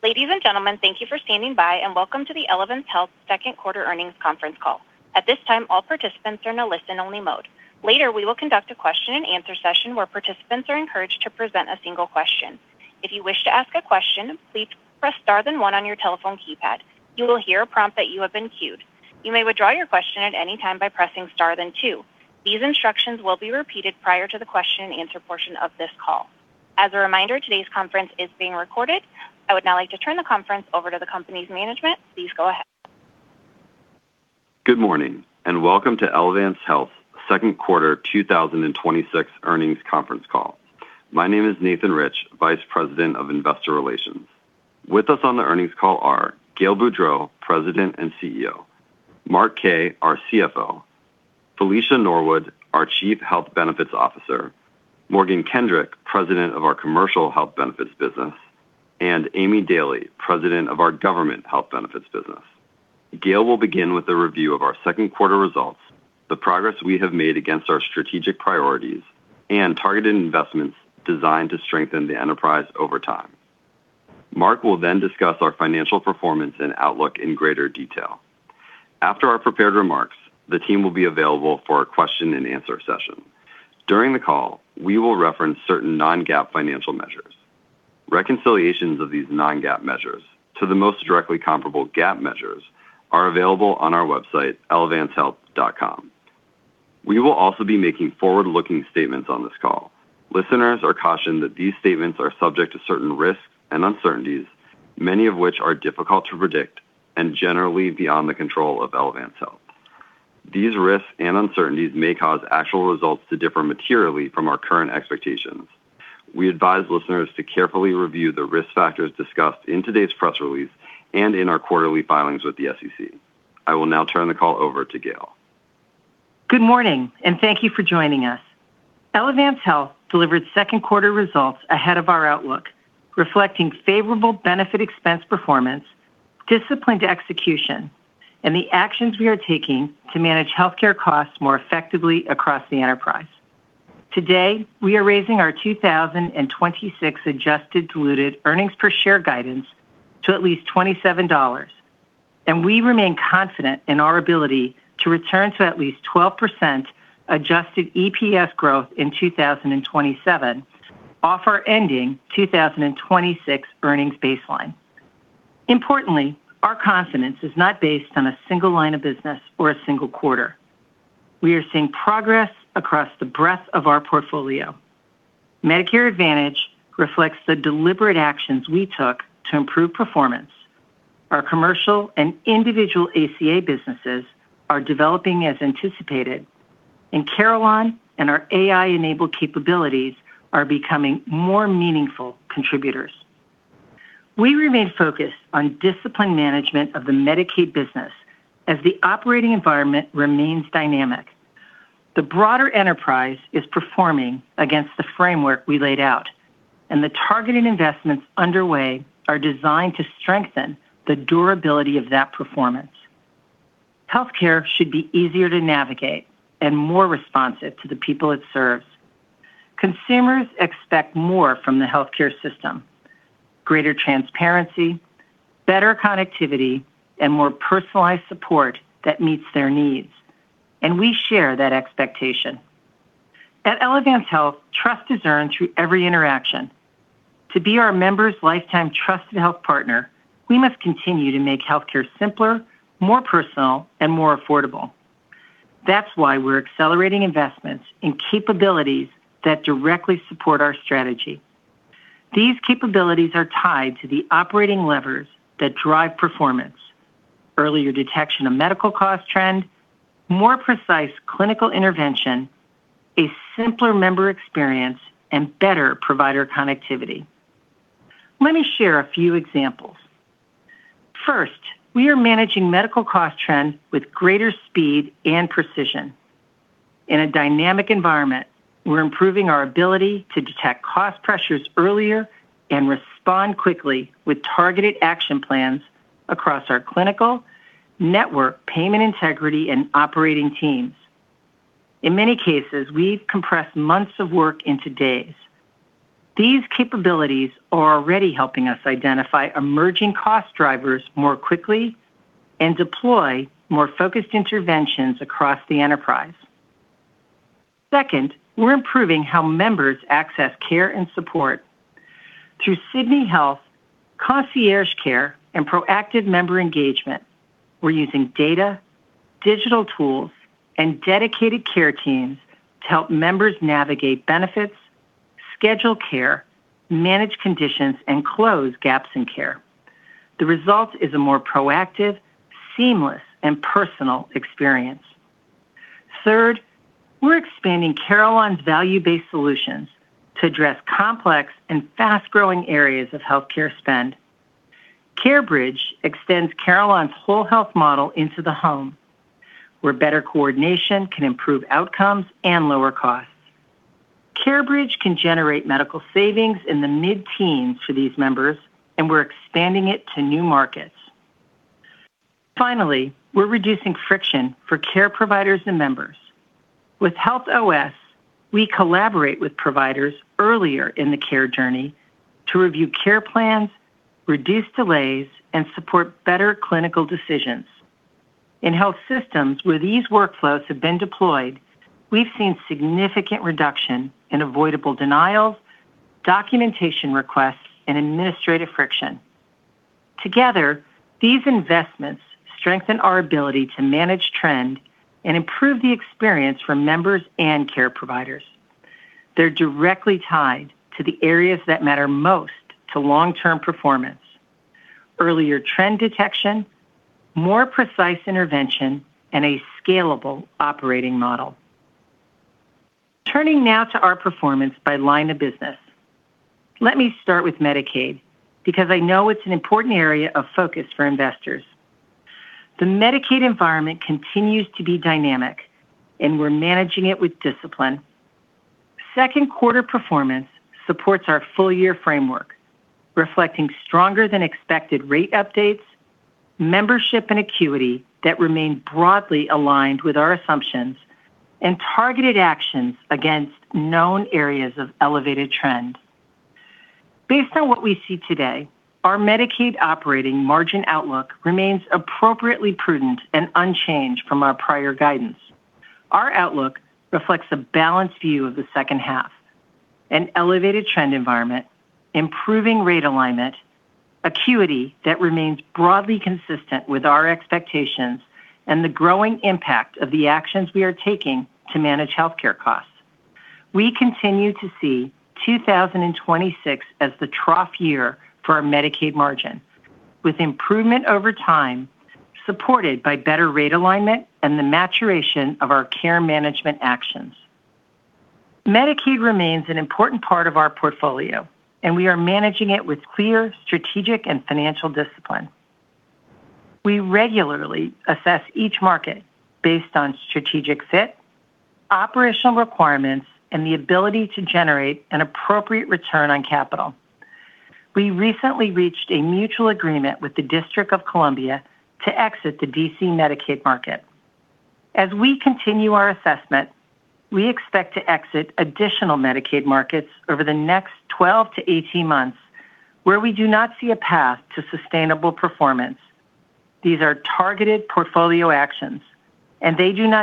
Ladies and gentlemen, thank you for standing by. Welcome to the Elevance Health second quarter earnings conference call. At this time, all participants are in a listen-only mode. Later, we will conduct a question-and-answer session where participants are encouraged to present a single question. If you wish to ask a question, please press star then one on your telephone keypad. You will hear a prompt that you have been queued. You may withdraw your question at any time by pressing star then two. These instructions will be repeated prior to the question-and-answer portion of this call. As a reminder, today's conference is being recorded. I would now like to turn the conference over to the company's management. Please go ahead. Good morning, welcome to Elevance Health second quarter 2026 earnings conference call. My name is Nathan Rich, Vice President of Investor Relations. With us on the earnings call are Gail Boudreaux, President and CEO; Mark Kaye, our CFO; Felicia Norwood, our Chief Health Benefits Officer; Morgan Kendrick, President of our Commercial Health Benefits business; and Aimée Dailey, President of our Government Health Benefits business. Gail will begin with a review of our second quarter results, the progress we have made against our strategic priorities, and targeted investments designed to strengthen the enterprise over time. Mark will then discuss our financial performance and outlook in greater detail. After our prepared remarks, the team will be available for a question-and-answer session. During the call, we will reference certain non-GAAP financial measures. Reconciliations of these non-GAAP measures to the most directly comparable GAAP measures are available on our website, elevancehealth.com. We will also be making forward-looking statements on this call. Listeners are cautioned that these statements are subject to certain risks and uncertainties, many of which are difficult to predict and generally beyond the control of Elevance Health. These risks and uncertainties may cause actual results to differ materially from our current expectations. We advise listeners to carefully review the risk factors discussed in today's press release and in our quarterly filings with the SEC. I will now turn the call over to Gail. Good morning, thank you for joining us. Elevance Health delivered second quarter results ahead of our outlook, reflecting favorable benefit expense performance, disciplined execution, and the actions we are taking to manage healthcare costs more effectively across the enterprise. Today, we are raising our 2026 adjusted diluted earnings per share guidance to at least $27, and we remain confident in our ability to return to at least 12% adjusted EPS growth in 2027, off our ending 2026 earnings baseline. Importantly, our confidence is not based on a single line of business or a single quarter. We are seeing progress across the breadth of our portfolio. Medicare Advantage reflects the deliberate actions we took to improve performance. Our Commercial and Individual ACA businesses are developing as anticipated, and Carelon and our AI-enabled capabilities are becoming more meaningful contributors. We remain focused on disciplined management of the Medicaid business as the operating environment remains dynamic. The broader enterprise is performing against the framework we laid out, and the targeted investments underway are designed to strengthen the durability of that performance. Healthcare should be easier to navigate and more responsive to the people it serves. Consumers expect more from the healthcare system, greater transparency, better connectivity, and more personalized support that meets their needs, and we share that expectation. At Elevance Health, trust is earned through every interaction. To be our members' lifetime trusted health partner, we must continue to make healthcare simpler, more personal, and more affordable. That's why we're accelerating investments in capabilities that directly support our strategy. These capabilities are tied to the operating levers that drive performance, earlier detection of medical cost trend, more precise clinical intervention, a simpler member experience, and better provider connectivity. Let me share a few examples. First, we are managing medical cost trend with greater speed and precision. In a dynamic environment, we're improving our ability to detect cost pressures earlier and respond quickly with targeted action plans across our clinical, network, payment integrity, and operating teams. In many cases, we've compressed months of work into days. These capabilities are already helping us identify emerging cost drivers more quickly and deploy more focused interventions across the enterprise. Second, we're improving how members access care and support. Through Sydney Health, Concierge Care, and proactive member engagement, we're using data, digital tools, and dedicated care teams to help members navigate benefits, schedule care, manage conditions, and close gaps in care. The result is a more proactive, seamless, and personal experience. Third, we're expanding Carelon's value-based solutions to address complex and fast-growing areas of healthcare spend. CareBridge extends Carelon's whole health model into the home, where better coordination can improve outcomes and lower costs. CareBridge can generate medical savings in the mid-teens for these members, and we're expanding it to new markets. Finally, we're reducing friction for care providers and members. With Health OS, we collaborate with providers earlier in the care journey to review care plans, reduce delays, and support better clinical decisions. In health systems where these workflows have been deployed, we've seen significant reduction in avoidable denials, documentation requests, and administrative friction. Together, these investments strengthen our ability to manage trend and improve the experience for members and care providers. They're directly tied to the areas that matter most to long-term performance, earlier trend detection, more precise intervention, and a scalable operating model. Turning now to our performance by line of business. Let me start with Medicaid, because I know it's an important area of focus for investors. The Medicaid environment continues to be dynamic, and we're managing it with discipline. Second quarter performance supports our full-year framework, reflecting stronger than expected rate updates, membership, and acuity that remain broadly aligned with our assumptions, and targeted actions against known areas of elevated trend. Based on what we see today, our Medicaid operating margin outlook remains appropriately prudent and unchanged from our prior guidance. Our outlook reflects a balanced view of the second half, an elevated trend environment, improving rate alignment, acuity that remains broadly consistent with our expectations, and the growing impact of the actions we are taking to manage healthcare costs. We continue to see 2026 as the trough year for our Medicaid margin, with improvement over time supported by better rate alignment and the maturation of our care management actions. Medicaid remains an important part of our portfolio, and we are managing it with clear strategic and financial discipline. We regularly assess each market based on strategic fit, operational requirements, and the ability to generate an appropriate return on capital. We recently reached a mutual agreement with the District of Columbia to exit the D.C. Medicaid market. As we continue our assessment, we expect to exit additional Medicaid markets over the next 12-18 months where we do not see a path to sustainable performance. They do not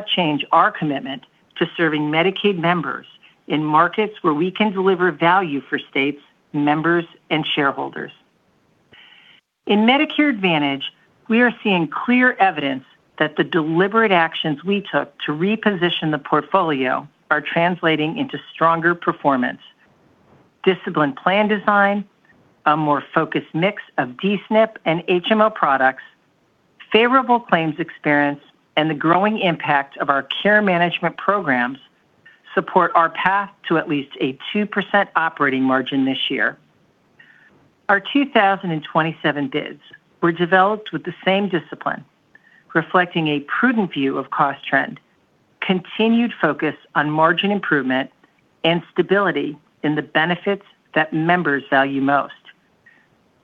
change our commitment to serving Medicaid members in markets where we can deliver value for states, members, and shareholders. In Medicare Advantage, we are seeing clear evidence that the deliberate actions we took to reposition the portfolio are translating into stronger performance. Disciplined plan design, a more focused mix of D-SNP and HMO products, favorable claims experience, and the growing impact of our care management programs support our path to at least a 2% operating margin this year. Our 2027 bids were developed with the same discipline, reflecting a prudent view of cost trend, continued focus on margin improvement, and stability in the benefits that members value most.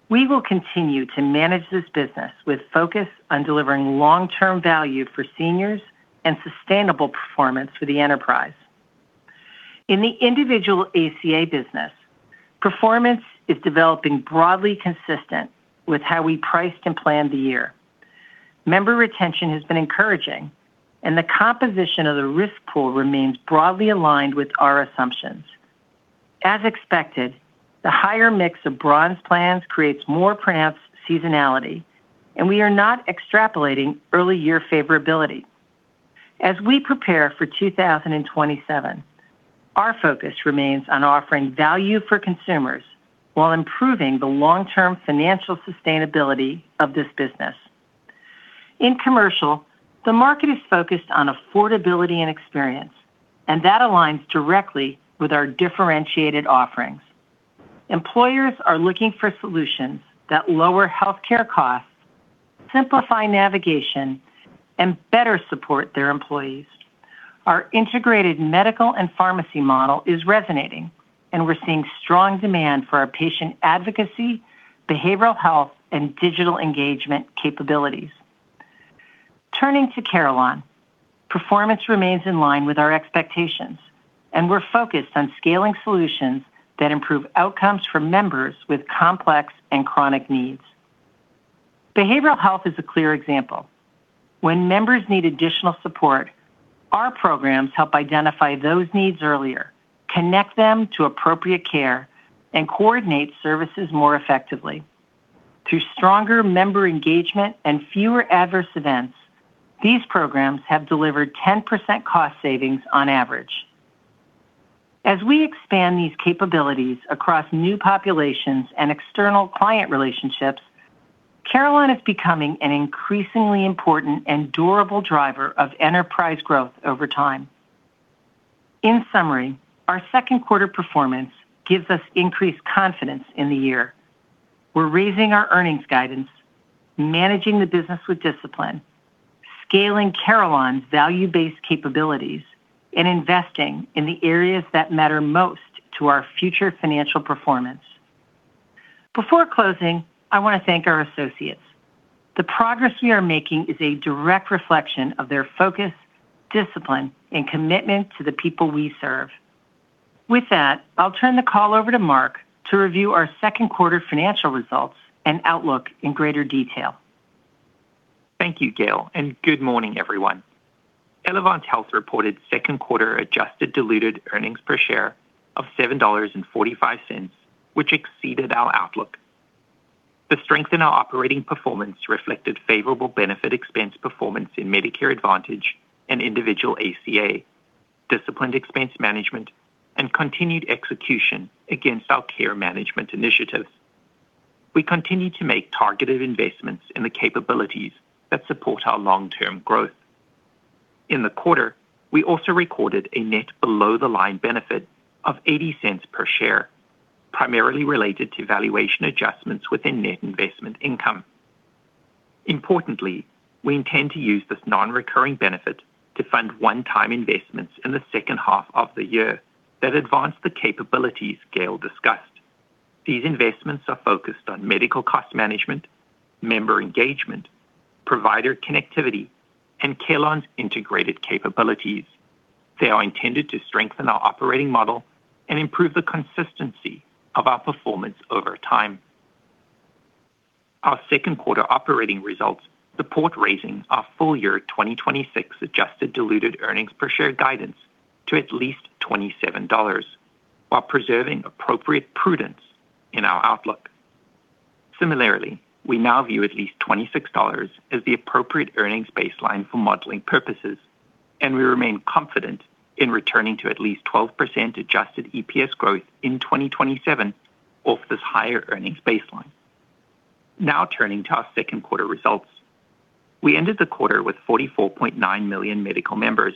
We will continue to manage this business with focus on delivering long-term value for seniors and sustainable performance for the enterprise. In the individual ACA business, performance is developing broadly consistent with how we priced and planned the year. The composition of the risk pool remains broadly aligned with our assumptions. As expected, the higher mix of bronze plans creates more pronounced seasonality, we are not extrapolating early year favorability. As we prepare for 2027, our focus remains on offering value for consumers while improving the long-term financial sustainability of this business. In commercial, the market is focused on affordability and experience, that aligns directly with our differentiated offerings. Employers are looking for solutions that lower healthcare costs, simplify navigation, and better support their employees. Our integrated medical and pharmacy model is resonating, we're seeing strong demand for our patient advocacy, behavioral health, and digital engagement capabilities. Turning to Carelon, performance remains in line with our expectations, we're focused on scaling solutions that improve outcomes for members with complex and chronic needs. Behavioral health is a clear example. When members need additional support, our programs help identify those needs earlier, connect them to appropriate care, coordinate services more effectively. Through stronger member engagement and fewer adverse events, these programs have delivered 10% cost savings on average. As we expand these capabilities across new populations and external client relationships, Carelon is becoming an increasingly important durable driver of enterprise growth over time. In summary, our second quarter performance gives us increased confidence in the year. We're raising our earnings guidance, managing the business with discipline, scaling Carelon's value-based capabilities investing in the areas that matter most to our future financial performance. Before closing, I want to thank our associates. The progress we are making is a direct reflection of their focus, discipline, and commitment to the people we serve. With that, I'll turn the call over to Mark to review our second quarter financial results and outlook in greater detail. Thank you, Gail, and good morning, everyone. Elevance Health reported second quarter adjusted diluted earnings per share of $7.45, which exceeded our outlook. The strength in our operating performance reflected favorable benefit expense performance in Medicare Advantage and individual ACA, disciplined expense management, and continued execution against our care management initiatives. We continue to make targeted investments in the capabilities that support our long-term growth. In the quarter, we also recorded a net below-the-line benefit of $0.80 per share, primarily related to valuation adjustments within net investment income. Importantly, we intend to use this non-recurring benefit to fund one-time investments in the second half of the year that advance the capabilities Gail discussed. These investments are focused on medical cost management, member engagement, provider connectivity, and Carelon's integrated capabilities. They are intended to strengthen our operating model and improve the consistency of our performance over time. Our second quarter operating results support raising our full-year 2026 adjusted diluted earnings per share guidance to at least $27 while preserving appropriate prudence in our outlook. Similarly, we now view at least $26 as the appropriate earnings baseline for modeling purposes, and we remain confident in returning to at least 12% adjusted EPS growth in 2027 off this higher earnings baseline. Now turning to our second quarter results. We ended the quarter with 44.9 million medical members.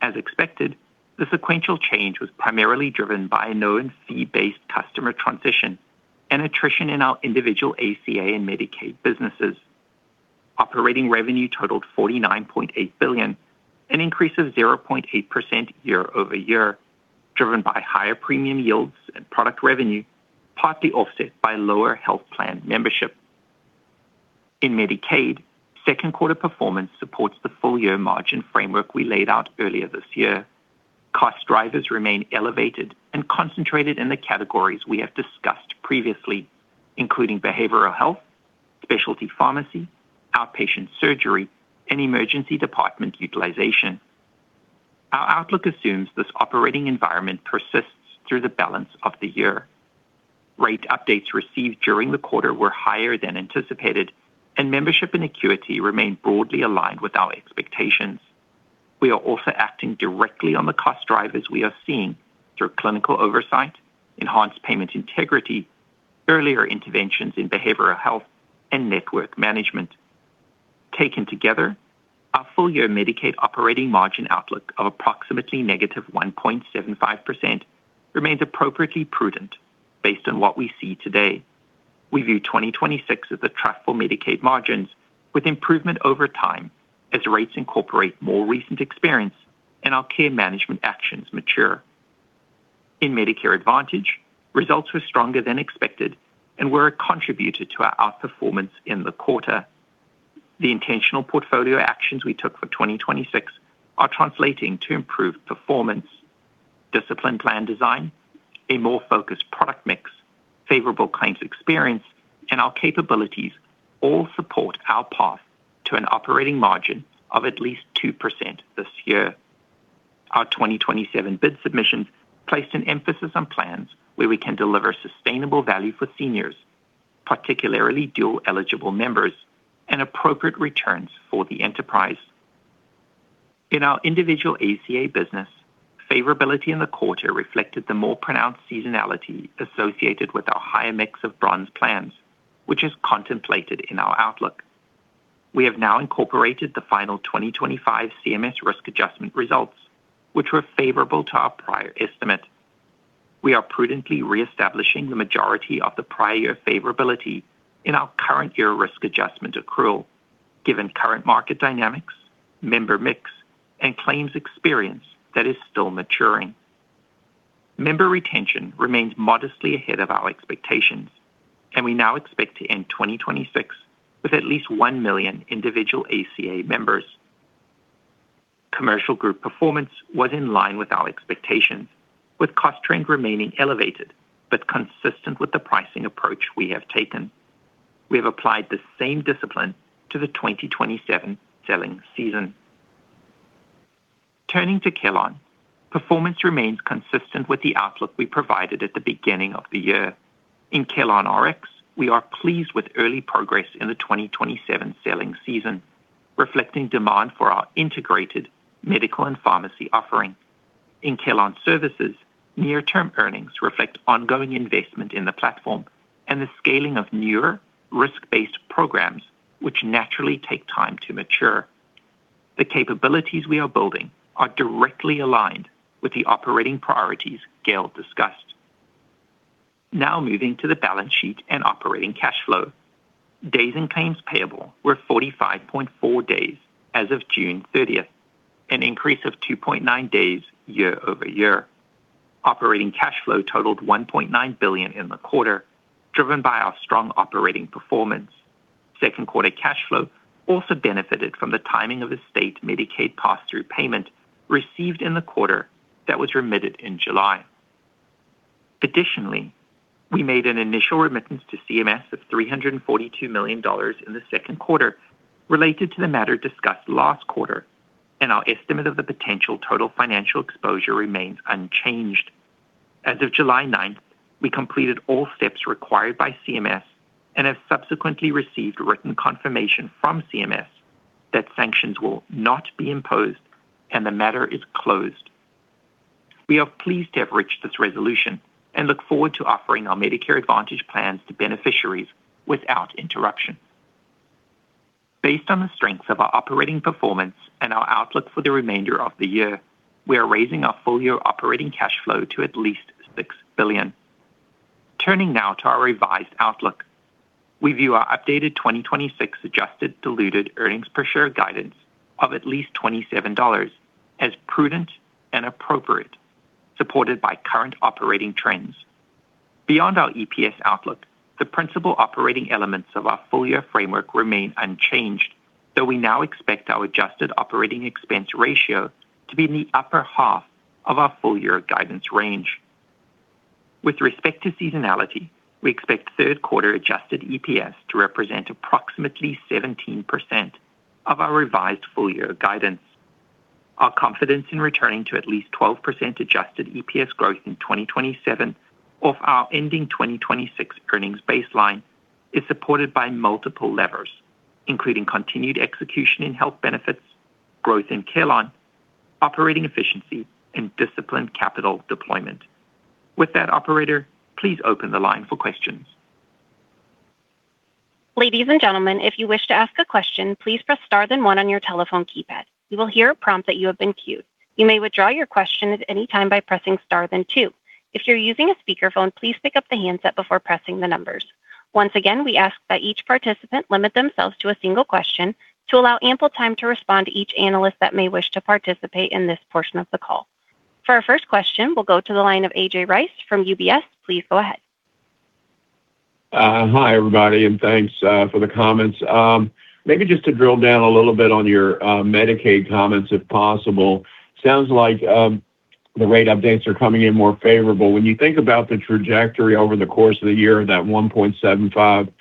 As expected, the sequential change was primarily driven by a known fee-based customer transition and attrition in our individual ACA and Medicaid businesses. Operating revenue totaled $49.8 billion, an increase of 0.8% year-over-year, driven by higher premium yields and product revenue, partly offset by lower health plan membership. In Medicaid, second quarter performance supports the full-year margin framework we laid out earlier this year. Cost drivers remain elevated and concentrated in the categories we have discussed previously, including behavioral health, specialty pharmacy, outpatient surgery, and emergency department utilization. Our outlook assumes this operating environment persists through the balance of the year. Rate updates received during the quarter were higher than anticipated, and membership and acuity remain broadly aligned with our expectations. We are also acting directly on the cost drivers we are seeing through clinical oversight, enhanced payment integrity, earlier interventions in behavioral health, and network management. Taken together, our full-year Medicaid operating margin outlook of approximately -1.75% remains appropriately prudent based on what we see today. We view 2026 as a trough for Medicaid margins with improvement over time as rates incorporate more recent experience and our care management actions mature. In Medicare Advantage, results were stronger than expected and were a contributor to our outperformance in the quarter. The intentional portfolio actions we took for 2026 are translating to improved performance. Disciplined plan design, a more focused product mix, favorable claims experience, and our capabilities all support our path to an operating margin of at least 2% this year. Our 2027 bid submissions placed an emphasis on plans where we can deliver sustainable value for seniors, particularly dual-eligible members, and appropriate returns for the enterprise. In our individual ACA business, favorability in the quarter reflected the more pronounced seasonality associated with our higher mix of bronze plans, which is contemplated in our outlook. We have now incorporated the final 2025 CMS risk adjustment results, which were favorable to our prior estimate. We are prudently reestablishing the majority of the prior year favorability in our current year risk adjustment accrual given current market dynamics, member mix, and claims experience that is still maturing. Member retention remains modestly ahead of our expectations, and we now expect to end 2026 with at least 1 million individual ACA members. Commercial group performance was in line with our expectations, with cost trend remaining elevated but consistent with the pricing approach we have taken. We have applied the same discipline to the 2027 selling season. Turning to Carelon, performance remains consistent with the outlook we provided at the beginning of the year. In CarelonRx, we are pleased with early progress in the 2027 selling season, reflecting demand for our integrated medical and pharmacy offering. In Carelon Services, near-term earnings reflect ongoing investment in the platform and the scaling of newer risk-based programs, which naturally take time to mature. The capabilities we are building are directly aligned with the operating priorities Gail discussed. Now moving to the balance sheet and operating cash flow. Days in claims payable were 45.4 days as of June 30th, an increase of 2.9 days year-over-year. Operating cash flow totaled $1.9 billion in the quarter, driven by our strong operating performance. Second quarter cash flow also benefited from the timing of the state Medicaid pass-through payment received in the quarter that was remitted in July. Additionally, we made an initial remittance to CMS of $342 million in the second quarter related to the matter discussed last quarter, and our estimate of the potential total financial exposure remains unchanged. As of July 9th, we completed all steps required by CMS and have subsequently received written confirmation from CMS that sanctions will not be imposed and the matter is closed. We are pleased to have reached this resolution and look forward to offering our Medicare Advantage plans to beneficiaries without interruption. Based on the strength of our operating performance and our outlook for the remainder of the year, we are raising our full-year operating cash flow to at least $6 billion. Turning now to our revised outlook. We view our updated 2026 adjusted diluted earnings per share guidance of at least $27 as prudent and appropriate, supported by current operating trends. Beyond our EPS outlook, the principal operating elements of our full-year framework remain unchanged, though we now expect our adjusted operating expense ratio to be in the upper half of our full-year guidance range. With respect to seasonality, we expect third quarter adjusted EPS to represent approximately 17% of our revised full-year guidance. Our confidence in returning to at least 12% adjusted EPS growth in 2027 of our ending 2026 earnings baseline is supported by multiple levers, including continued execution in health benefits, growth in Carelon, operating efficiency, and disciplined capital deployment. With that, operator, please open the line for questions. Ladies and gentlemen, if you wish to ask a question, please press star then one on your telephone keypad. You will hear a prompt that you have been queued. You may withdraw your question at any time by pressing star then two. If you're using a speakerphone, please pick up the handset before pressing the numbers. Once again, we ask that each participant limit themselves to a single question to allow ample time to respond to each analyst that may wish to participate in this portion of the call. For our first question, we'll go to the line of A.J. Rice from UBS. Please go ahead. Hi, everybody, thanks for the comments. Maybe just to drill down a little bit on your Medicaid comments, if possible. Sounds like the rate updates are coming in more favorable. When you think about the trajectory over the course of the year, that -1.75%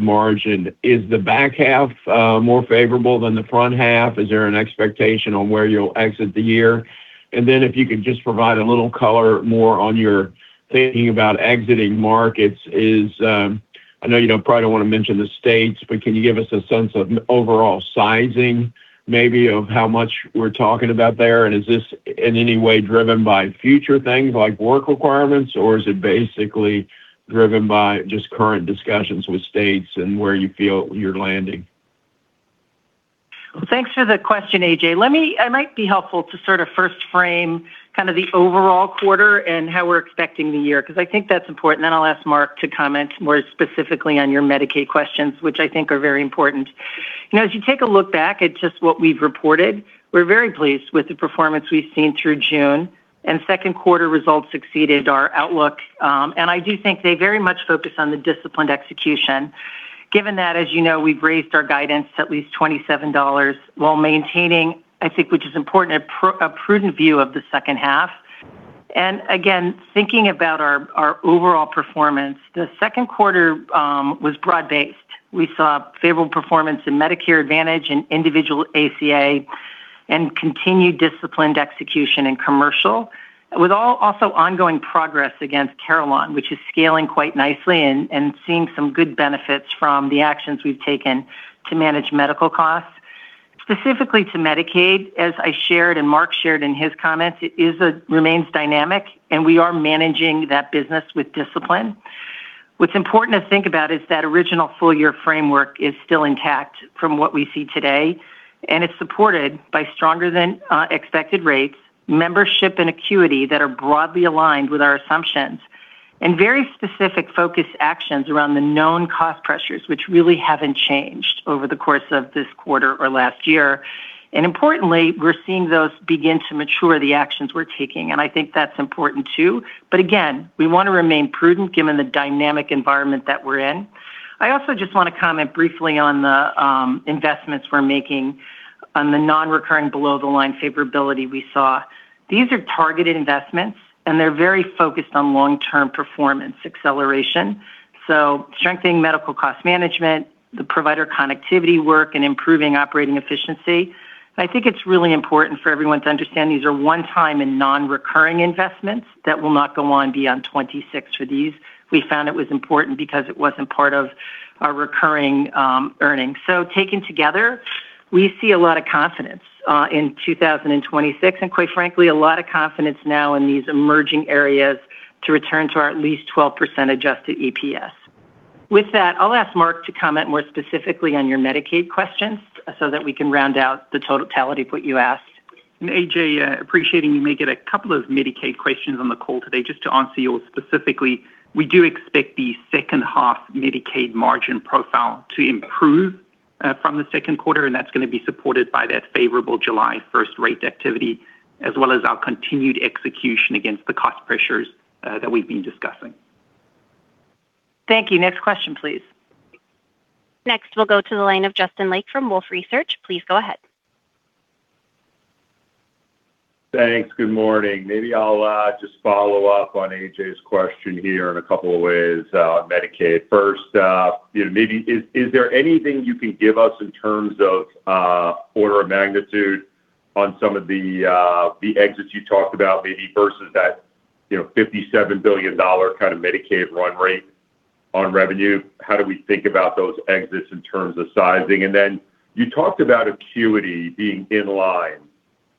margin, is the back half more favorable than the front half? Is there an expectation on where you'll exit the year? If you could just provide a little color more on your thinking about exiting markets is, I know you probably don't want to mention the states, but can you give us a sense of overall sizing maybe of how much we're talking about there, and is this in any way driven by future things like work requirements, or is it basically driven by just current discussions with states and where you feel you're landing? Thanks for the question, A.J. It might be helpful to sort of first frame kind of the overall quarter and how we're expecting the year, because I think that's important. I'll ask Mark to comment more specifically on your Medicaid questions, which I think are very important. As you take a look back at just what we've reported, we're very pleased with the performance we've seen through June, and second quarter results exceeded our outlook. I do think they very much focus on the disciplined execution. Given that, as you know, we've raised our guidance to at least $27 while maintaining, I think which is important, a prudent view of the second half. Again, thinking about our overall performance, the second quarter was broad-based. We saw favorable performance in Medicare Advantage and individual ACA and continued disciplined execution in commercial. With also ongoing progress against Carelon, which is scaling quite nicely and seeing some good benefits from the actions we've taken to manage medical costs. Specifically to Medicaid, as I shared and Mark shared in his comments, it remains dynamic, and we are managing that business with discipline. What's important to think about is that original full-year framework is still intact from what we see today, and it's supported by stronger than expected rates, membership and acuity that are broadly aligned with our assumptions, and very specific focused actions around the known cost pressures, which really haven't changed over the course of this quarter or last year. Importantly, we're seeing those begin to mature, the actions we're taking, and I think that's important, too. Again, we want to remain prudent given the dynamic environment that we're in. I also just want to comment briefly on the investments we're making on the non-recurring below-the-line favorability we saw. These are targeted investments, and they're very focused on long-term performance acceleration. Strengthening medical cost management, the provider connectivity work, and improving operating efficiency. I think it's really important for everyone to understand these are one-time and non-recurring investments that will not go on beyond 2026 for these. We found it was important because it wasn't part of our recurring earnings. Taken together, we see a lot of confidence in 2026 and, quite frankly, a lot of confidence now in these emerging areas to return to our at least 12% adjusted EPS. With that, I'll ask Mark to comment more specifically on your Medicaid questions so that we can round out the totality of what you asked. A.J., appreciating you may get a couple of Medicaid questions on the call today, just to answer yours specifically, we do expect the second-half Medicaid margin profile to improve from the second quarter, and that's going to be supported by that favorable July 1st rate activity, as well as our continued execution against the cost pressures that we've been discussing. Thank you. Next question, please. Next, we'll go to the line of Justin Lake from Wolfe Research. Please go ahead. Thanks. Good morning, maybe I'll just follow up on A.J.'s question here in a couple of ways on Medicaid. First, is there anything you can give us in terms of order of magnitude on some of the exits you talked about, maybe versus that $57 billion kind of Medicaid run rate on revenue? How do we think about those exits in terms of sizing? Then you talked about acuity being in line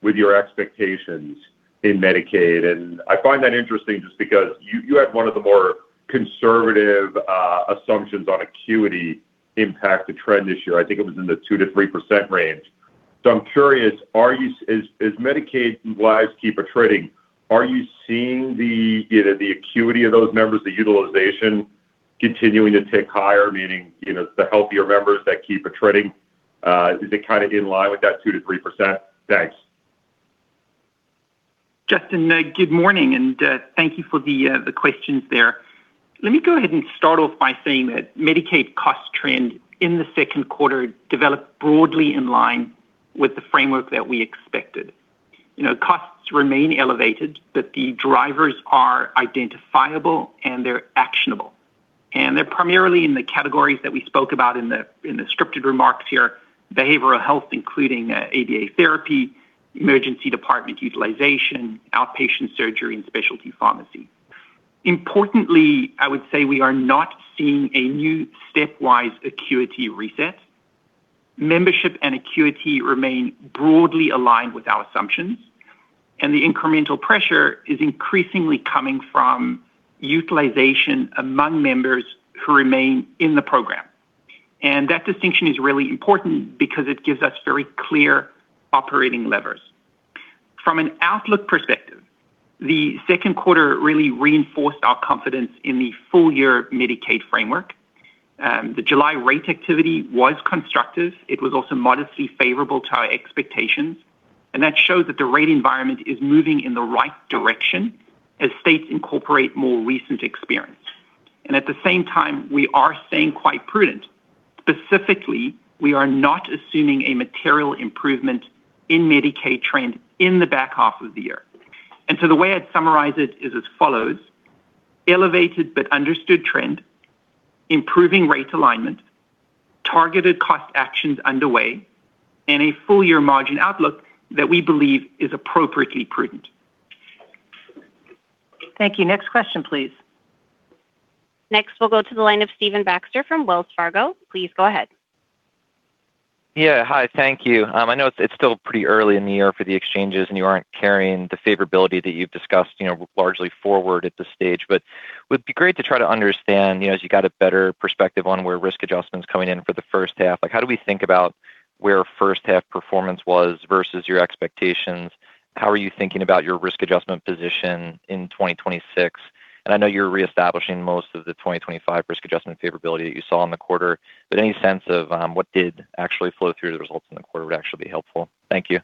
with your expectations in Medicaid. I find that interesting just because you had one of the more conservative assumptions on acuity impact to trend this year. I think it was in the 2%-3% range. So I'm curious, as Medicaid lives keep attriting, are you seeing the acuity of those members, the utilization continuing to tick higher, meaning the healthier members that keep attriting, is it kind of in line with that 2%-3%? Thanks. Justin, good morning, and thank you for the questions there. Let me go ahead and start off by saying that Medicaid cost trend in the second quarter developed broadly in line with the framework that we expected. Costs remain elevated, but the drivers are identifiable and they're actionable. They're primarily in the categories that we spoke about in the scripted remarks here, behavioral health, including ABA therapy, emergency department utilization, outpatient surgery, and specialty pharmacy. Importantly, I would say we are not seeing a new stepwise acuity reset. Membership and acuity remain broadly aligned with our assumptions, and the incremental pressure is increasingly coming from utilization among members who remain in the program. That distinction is really important because it gives us very clear operating levers. From an outlook perspective, the second quarter really reinforced our confidence in the full-year Medicaid framework. The July rate activity was constructive. It was also modestly favorable to our expectations, that shows that the rate environment is moving in the right direction as states incorporate more recent experience. At the same time, we are staying quite prudent. Specifically, we are not assuming a material improvement in Medicaid trend in the back half of the year. The way I'd summarize it is as follows: elevated but understood trend, improving rate alignment, targeted cost actions underway, and a full-year margin outlook that we believe is appropriately prudent. Thank you. Next question, please. Next, we'll go to the line of Stephen Baxter from Wells Fargo. Please go ahead. Yeah. Hi, thank you. I know it's still pretty early in the year for the exchanges, you aren't carrying the favorability that you've discussed largely forward at this stage, but it would be great to try to understand, as you got a better perspective on where risk adjustment's coming in for the first half, how do we think about where first half performance was versus your expectations? How are you thinking about your risk adjustment position in 2026? I know you're reestablishing most of the 2025 risk adjustment favorability that you saw in the quarter, but any sense of what did actually flow through the results in the quarter would actually be helpful. Thank you.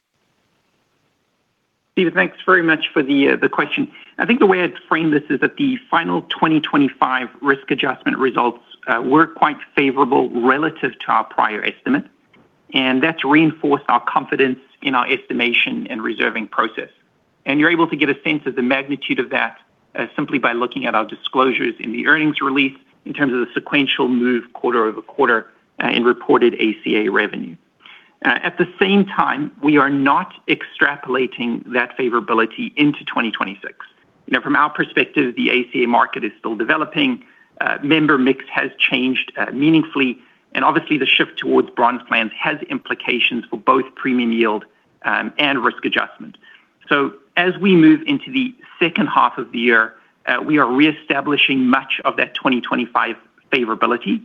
Stephen, thanks very much for the question. I think the way I'd frame this is that the final 2025 risk adjustment results were quite favorable relative to our prior estimate, and that's reinforced our confidence in our estimation and reserving process. You're able to get a sense of the magnitude of that simply by looking at our disclosures in the earnings release in terms of the sequential move quarter-over-quarter in reported ACA revenue. At the same time, we are not extrapolating that favorability into 2026. From our perspective, the ACA market is still developing. Member mix has changed meaningfully, and obviously, the shift towards bronze plans has implications for both premium yield and risk adjustment. As we move into the second half of the year, we are reestablishing much of that 2025 favorability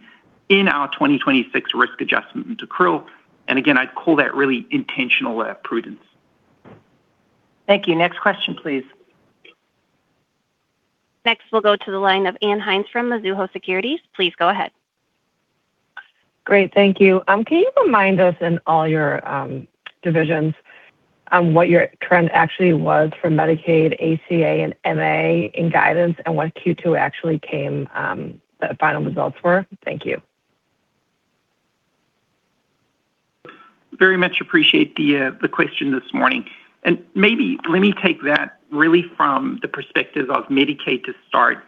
in our 2026 risk adjustment into accrual, and again, I'd call that really intentional prudence. Thank you. Next question, please. Next, we'll go to the line of Ann Hynes from Mizuho Securities. Please go ahead. Great. Thank you. Can you remind us in all your divisions on what your trend actually was for Medicaid, ACA, and MA in guidance, and what Q2 actually came the final results were? Thank you. Very much appreciate the question this morning. Maybe let me take that really from the perspective of Medicaid to start,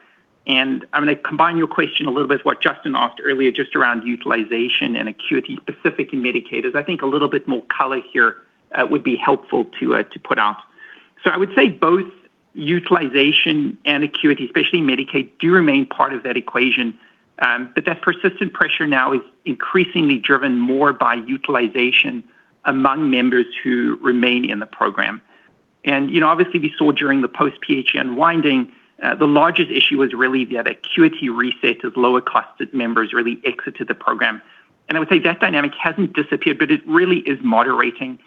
I'm going to combine your question a little bit with what Justin asked earlier, just around utilization and acuity specific in Medicaid, as I think a little bit more color here would be helpful to put out. I would say both utilization and acuity, especially in Medicaid, do remain part of that equation. That persistent pressure now is increasingly driven more by utilization among members who remain in the program. Obviously, we saw during the post-PHE winding, the largest issue was really the acuity reset as lower-costed members really exited the program. I would say that dynamic hasn't disappeared, but it really is moderating.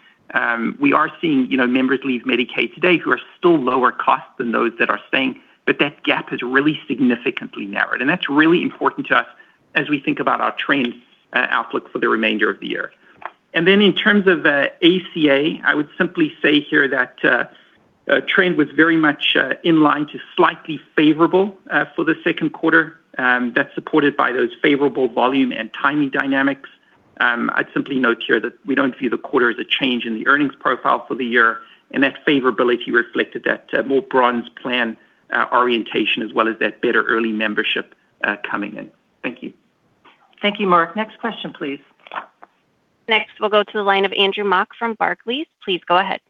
We are seeing members leave Medicaid today who are still lower cost than those that are staying, that gap has really significantly narrowed. That's really important to us as we think about our trend outlook for the remainder of the year. Then in terms of the ACA, I would simply say here that trend was very much in line to slightly favorable for the second quarter. That's supported by those favorable volume and timing dynamics. I'd simply note here that we don't view the quarter as a change in the earnings profile for the year, that favorability reflected that more bronze plan orientation as well as that better early membership coming in. Thank you. Thank you, Mark. Next question, please. Next, we'll go to the line of Andrew Mok from Barclays. Please go ahead.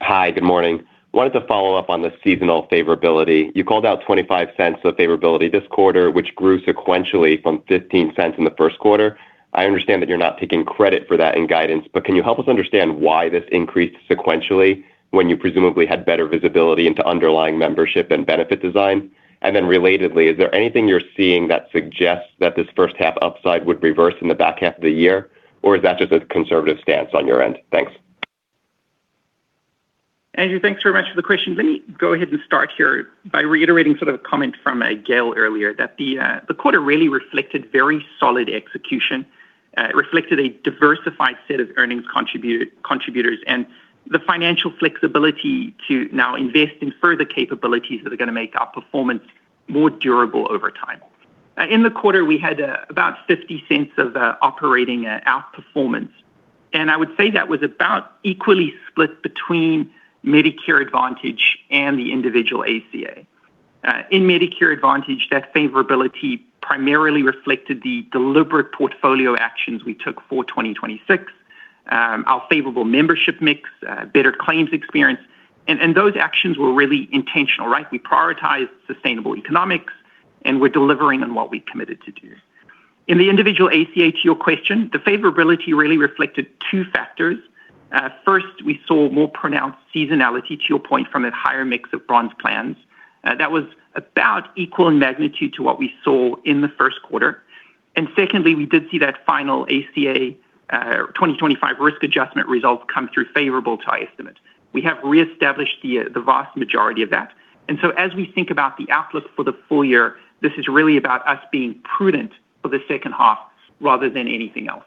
Hi, good morning. Wanted to follow up on the seasonal favorability. You called out $0.25 of favorability this quarter, which grew sequentially from $0.15 in the first quarter. I understand that you're not taking credit for that in guidance, but can you help us understand why this increased sequentially when you presumably had better visibility into underlying membership and benefit design? Relatedly, is anything you're seeing that suggests that this first half upside would reverse in the back half of the year, or is that just a conservative stance on your end? Thanks. Andrew, thanks very much for the question. Let me go ahead and start here by reiterating sort of a comment from Gail earlier, that the quarter really reflected very solid execution. It reflected a diversified set of earnings contributors, the financial flexibility to now invest in further capabilities that are going to make our performance more durable over time. In the quarter, we had about $0.50 of operating outperformance, I would say that was about equally split between Medicare Advantage and the individual ACA. In Medicare Advantage, that favorability primarily reflected the deliberate portfolio actions we took for 2026, our favorable membership mix, better claims experience. Those actions were really intentional, right? We prioritized sustainable economics. We're delivering on what we committed to do. In the individual ACA, to your question, the favorability really reflected two factors. First, we saw more pronounced seasonality, to your point, from that higher mix of bronze plans. That was about equal in magnitude to what we saw in the first quarter. Secondly, we did see that final ACA 2025 risk adjustment results come through favorable to our estimate. We have re-established the vast majority of that. As we think about the outlook for the full-year, this is really about us being prudent for the second half rather than anything else.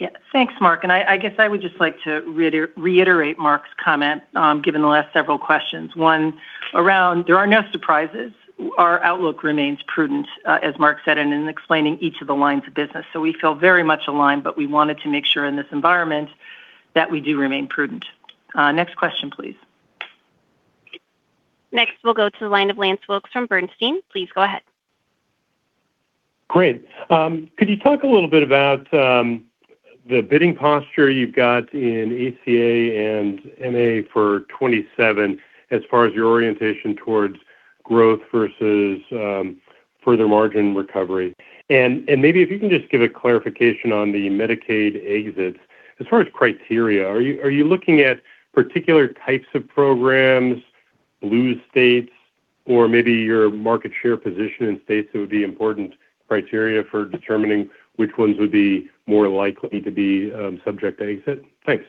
Yeah. Thanks, Mark. I guess I would just like to reiterate Mark's comment, given the last several questions. One, around there are no surprises. Our outlook remains prudent, as Mark said, and in explaining each of the lines of business. We feel very much aligned, but we wanted to make sure in this environment that we do remain prudent. Next question, please. Next, we'll go to the line of Lance Wilkes from Bernstein. Please go ahead. Great. Could you talk a little bit about the bidding posture you've got in ACA and MA for 2027 as far as your orientation towards growth versus further margin recovery? Maybe if you can just give a clarification on the Medicaid exits. As far as criteria, are you looking at particular types of programs, blue states, or maybe your market share position in states that would be important criteria for determining which ones would be more likely to be subject to exit? Thanks.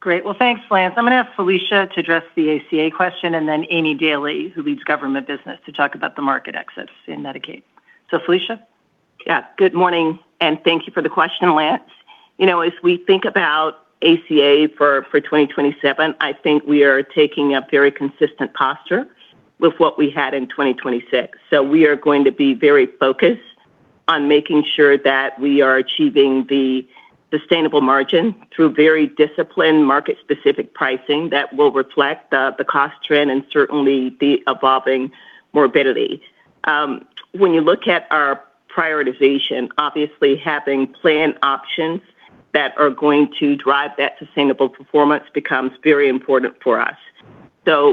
Great. Well, thanks, Lance. I'm going to ask Felicia to address the ACA question, and then Aimée Dailey, who leads government business, to talk about the market exits in Medicaid. Felicia? Yeah. Good morning, and thank you for the question, Lance. As we think about ACA for 2027, I think we are taking a very consistent posture with what we had in 2026. We are going to be very focused on making sure that we are achieving the sustainable margin through very disciplined market-specific pricing that will reflect the cost trend and certainly the evolving morbidity. When you look at our prioritization, obviously, having plan options that are going to drive that sustainable performance becomes very important for us.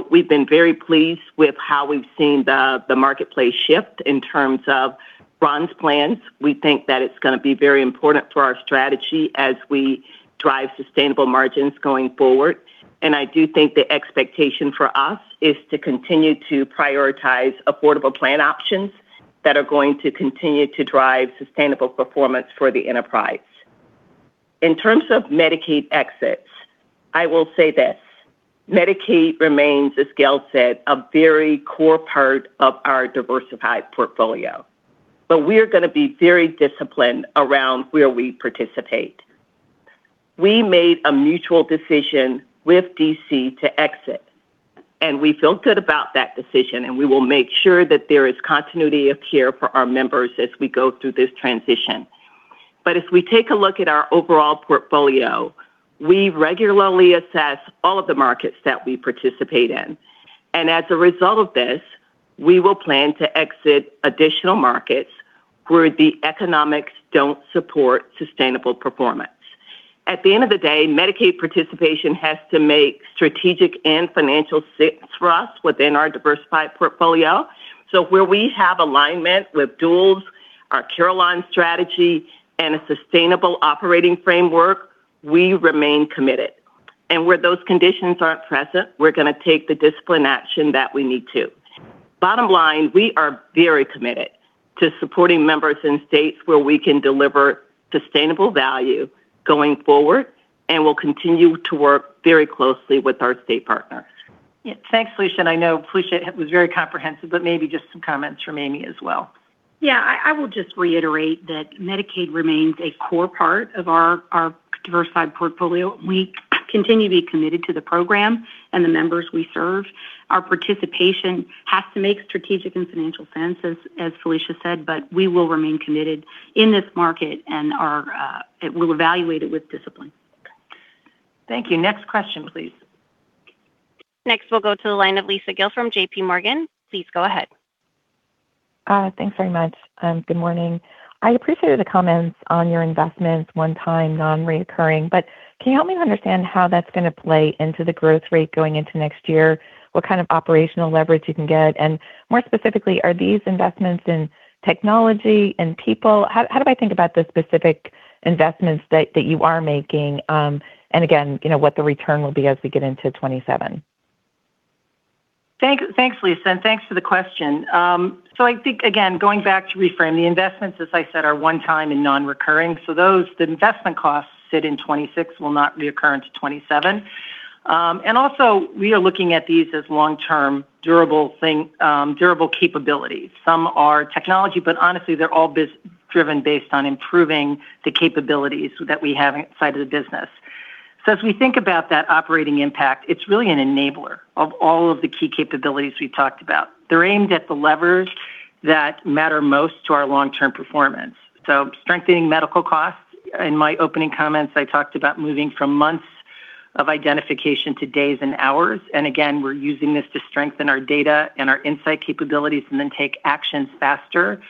We've been very pleased with how we've seen the marketplace shift in terms of bronze plans. We think that it's going to be very important for our strategy as we drive sustainable margins going forward. I do think the expectation for us is to continue to prioritize affordable plan options that are going to continue to drive sustainable performance for the enterprise. In terms of Medicaid exits, I will say this. Medicaid remains, as Gail said, a very core part of our diversified portfolio. We are going to be very disciplined around where we participate. We made a mutual decision with D.C. to exit, and we feel good about that decision, and we will make sure that there is continuity of care for our members as we go through this transition. As we take a look at our overall portfolio, we regularly assess all of the markets that we participate in. As a result of this, we will plan to exit additional markets where the economics don't support sustainable performance. At the end of the day, Medicaid participation has to make strategic and financial sense for us within our diversified portfolio. Where we have alignment with duals our Carelon strategy and a sustainable operating framework, we remain committed. Where those conditions aren't present, we're going to take the discipline action that we need to. Bottom line, we are very committed to supporting members in states where we can deliver sustainable value going forward, and we'll continue to work very closely with our state partners. Yeah. Thanks, Felicia, and I know Felicia was very comprehensive, but maybe just some comments from Aimée as well. Yeah. I will just reiterate that Medicaid remains a core part of our diversified portfolio. We continue to be committed to the program and the members we serve. Our participation has to make strategic and financial sense, as Felicia said, but we will remain committed in this market and we'll evaluate it with discipline. Thank you. Next question, please. Next, we'll go to the line of Lisa Gill from JPMorgan. Please go ahead. Thanks very much. Good morning. I appreciated the comments on your investments, one-time, non-reoccurring, can you help me understand how that's going to play into the growth rate going into next year, what kind of operational leverage you can get? More specifically, are these investments in technology and people? How do I think about the specific investments that you are making, and again, what the return will be as we get into 2027? Thanks, Lisa, and thanks for the question. I think, again, going back to reframe, the investments, as I said, are one-time and non-recurring, those, the investment costs sit in 2026, will not reoccur into 2027. We are looking at these as long-term, durable capabilities. Some are technology, but honestly, they're all driven based on improving the capabilities that we have inside of the business. As we think about that operating impact, it's really an enabler of all of the key capabilities we've talked about. They're aimed at the levers that matter most to our long-term performance. Strengthening medical costs. In my opening comments, I talked about moving from months of identification to days and hours. We're using this to strengthen our data and our insight capabilities and then take actions faster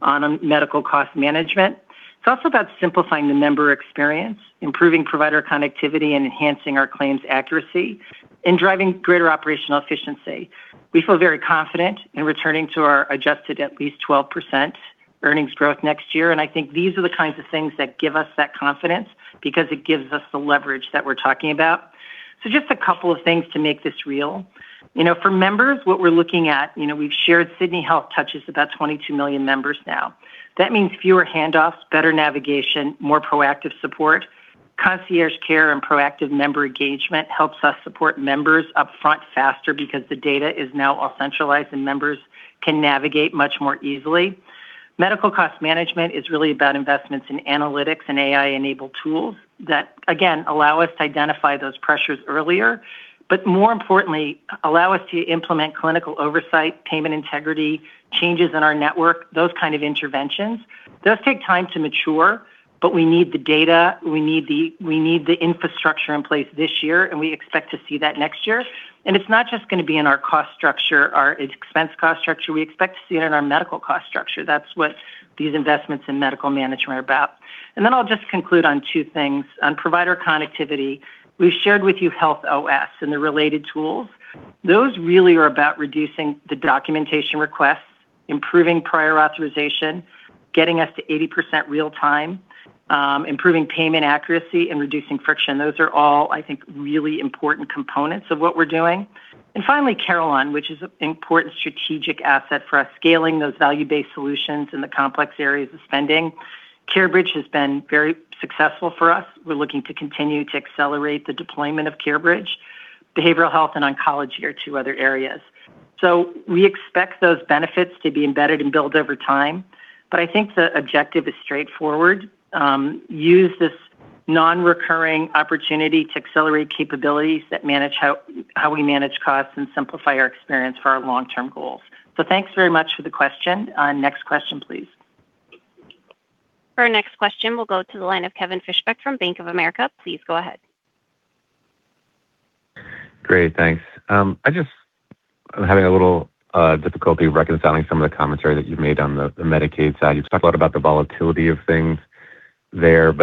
on medical cost management. It's also about simplifying the member experience, improving provider connectivity, and enhancing our claims accuracy and driving greater operational efficiency. We feel very confident in returning to our adjusted at least 12% earnings growth next year, and I think these are the kinds of things that give us that confidence, because it gives us the leverage that we're talking about. Just a couple of things to make this real. For members, what we're looking at, we've shared Sydney Health touches about 22 million members now. That means fewer handoffs, better navigation, more proactive support. Concierge Care and proactive member engagement helps us support members upfront faster because the data is now all centralized and members can navigate much more easily. Medical cost management is really about investments in analytics and AI-enabled tools that, again, allow us to identify those pressures earlier, but more importantly, allow us to implement clinical oversight, payment integrity, changes in our network, those kind of interventions. Those take time to mature, but we need the data, we need the infrastructure in place this year, and we expect to see that next year. It's not just going to be in our cost structure, our expense cost structure. We expect to see it in our medical cost structure, that's what these investments in medical management are about. Then I'll just conclude on two things. On provider connectivity, we've shared with you Health OS and the related tools. Those really are about reducing the documentation requests, improving prior authorization, getting us to 80% real-time, improving payment accuracy, and reducing friction. Those are all, I think, really important components of what we're doing. Finally, Carelon, which is an important strategic asset for us, scaling those value-based solutions in the complex areas of spending. CareBridge has been very successful for us. We're looking to continue to accelerate the deployment of CareBridge. Behavioral health and oncology are two other areas. We expect those benefits to be embedded and build over time, but I think the objective is straightforward. Use this non-recurring opportunity to accelerate capabilities that manage how we manage costs and simplify our experience for our long-term goals. Thanks very much for the question. Next question, please. For our next question, we'll go to the line of Kevin Fischbeck from Bank of America. Please go ahead. Great, thanks. I'm having a little difficulty reconciling some of the commentary that you've made on the Medicaid side. You've talked a lot about the volatility of things there.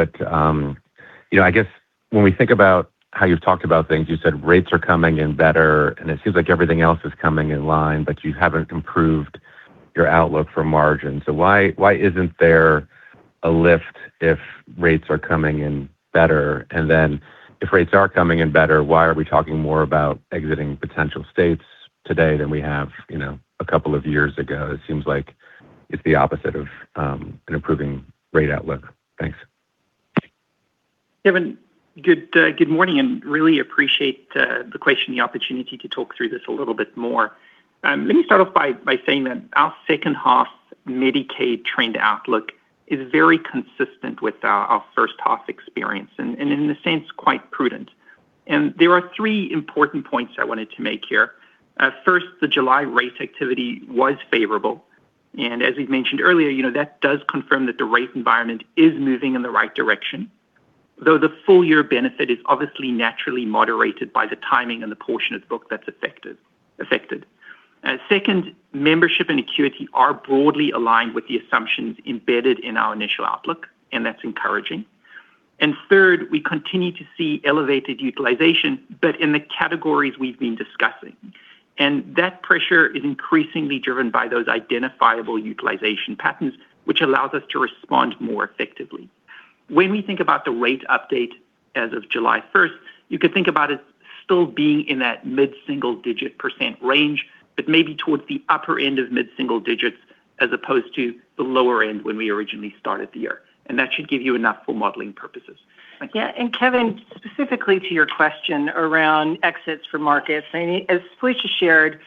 I guess when we think about how you've talked about things, you said rates are coming in better, and it seems like everything else is coming in line, but you haven't improved your outlook for margin. Why isn't there a lift if rates are coming in better? If rates are coming in better, why are we talking more about exiting potential states today than we have a couple of years ago? It seems like it's the opposite of an improving rate outlook. Thanks. Kevin, good morning, really appreciate the question, the opportunity to talk through this a little bit more. Let me start off by saying that our second half Medicaid trend outlook is very consistent with our first half experience and, in a sense, quite prudent. There are three important points I wanted to make here. First, the July rate activity was favorable, as we've mentioned earlier, that does confirm that the rate environment is moving in the right direction, though the full-year benefit is obviously naturally moderated by the timing and the portion of the book that's affected. Second, membership and acuity are broadly aligned with the assumptions embedded in our initial outlook, that's encouraging. Third, we continue to see elevated utilization, in the categories we've been discussing. That pressure is increasingly driven by those identifiable utilization patterns, which allows us to respond more effectively. When we think about the rate update as of July 1st, you could think about it still being in that mid-single digit percent range, maybe towards the upper end of mid-single digits as opposed to the lower end when we originally started the year. That should give you enough for modeling purposes. Yeah. Kevin, specifically to your question around exits for markets, as Felicia shared,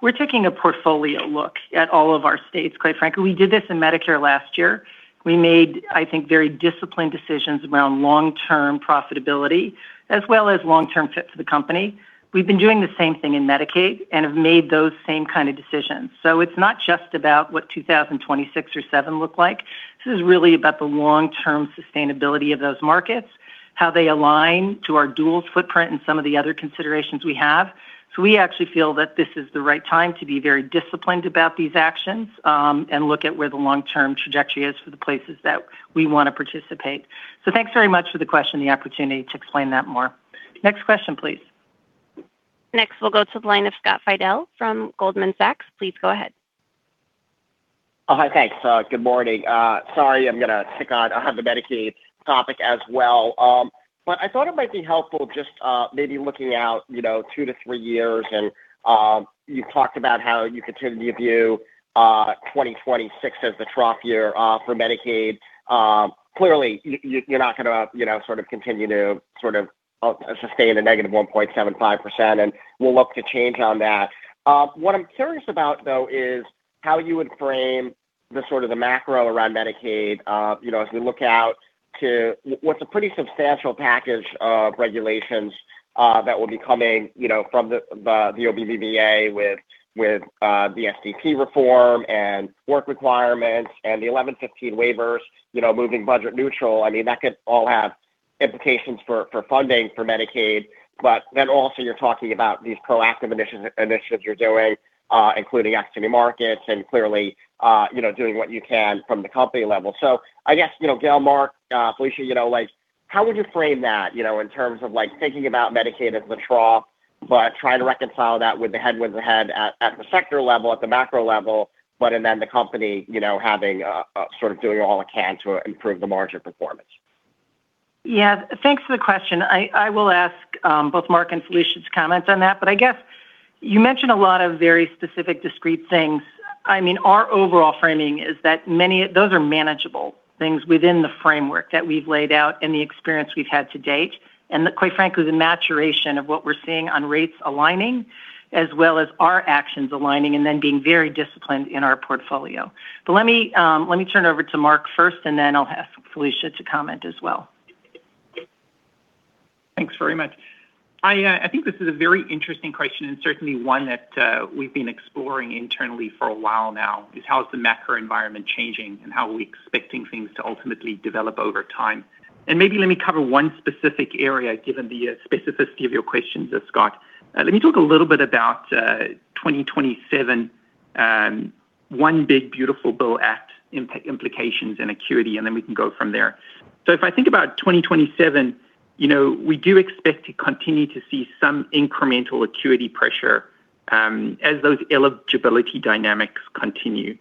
we're taking a portfolio look at all of our states, quite frankly. We did this in Medicare last year. We made, I think, very disciplined decisions around long-term profitability as well as long-term fit for the company. We've been doing the same thing in Medicaid and have made those same kind of decisions. It's not just about what 2026 or 2027 look like. This is really about the long-term sustainability of those markets, how they align to our dual footprint, and some of the other considerations we have. We actually feel that this is the right time to be very disciplined about these actions, and look at where the long-term trajectory is for the places that we want to participate. Thanks very much for the question, and the opportunity to explain that more. Next question, please. Next, we'll go to the line of Scott Fidel from Goldman Sachs. Please go ahead. Thanks. Good morning. Sorry, I'm going to stick on the Medicaid topic as well. I thought it might be helpful just maybe looking out two to three years, and you talked about how you continue to view 2026 as the trough year for Medicaid. Clearly, you're not going to continue to sustain -1.75%, and we'll look to change on that. What I'm curious about, though, is how you would frame the sort of the macro around Medicaid, as we look out to what's a pretty substantial package of regulations that will be coming from the OBBBA with the SDP reform and work requirements and the 1115 waivers, moving budget neutral. That could all have implications for funding for Medicaid. Also you're talking about these proactive initiatives you're doing, including exiting markets and clearly, doing what you can from the company level. I guess, Gail, Mark, Felicia, how would you frame that in terms of thinking about Medicaid as the trough, trying to reconcile that with the headwinds ahead at the sector level, at the macro level, and then the company doing all it can to improve the margin performance? Thanks for the question. I will ask both Mark and Felicia to comment on that. I guess you mentioned a lot of very specific, discreet things. Our overall framing is that those are manageable things within the framework that we've laid out and the experience we've had to date, and that quite frankly, the maturation of what we're seeing on rates aligning as well as our actions aligning, and then being very disciplined in our portfolio. Let me turn it over to Mark first, and then I'll ask Felicia to comment as well. Thanks very much. I think this is a very interesting question, certainly one that we've been exploring internally for a while now is how is the macro environment changing, and how are we expecting things to ultimately develop over time? Maybe let me cover one specific area, given the specificity of your questions, Scott. Let me talk a little bit about 2027, One Big Beautiful Bill Act implications and acuity, and then we can go from there. If I think about 2027, we do expect to continue to see some incremental acuity pressure as those eligibility dynamics continue.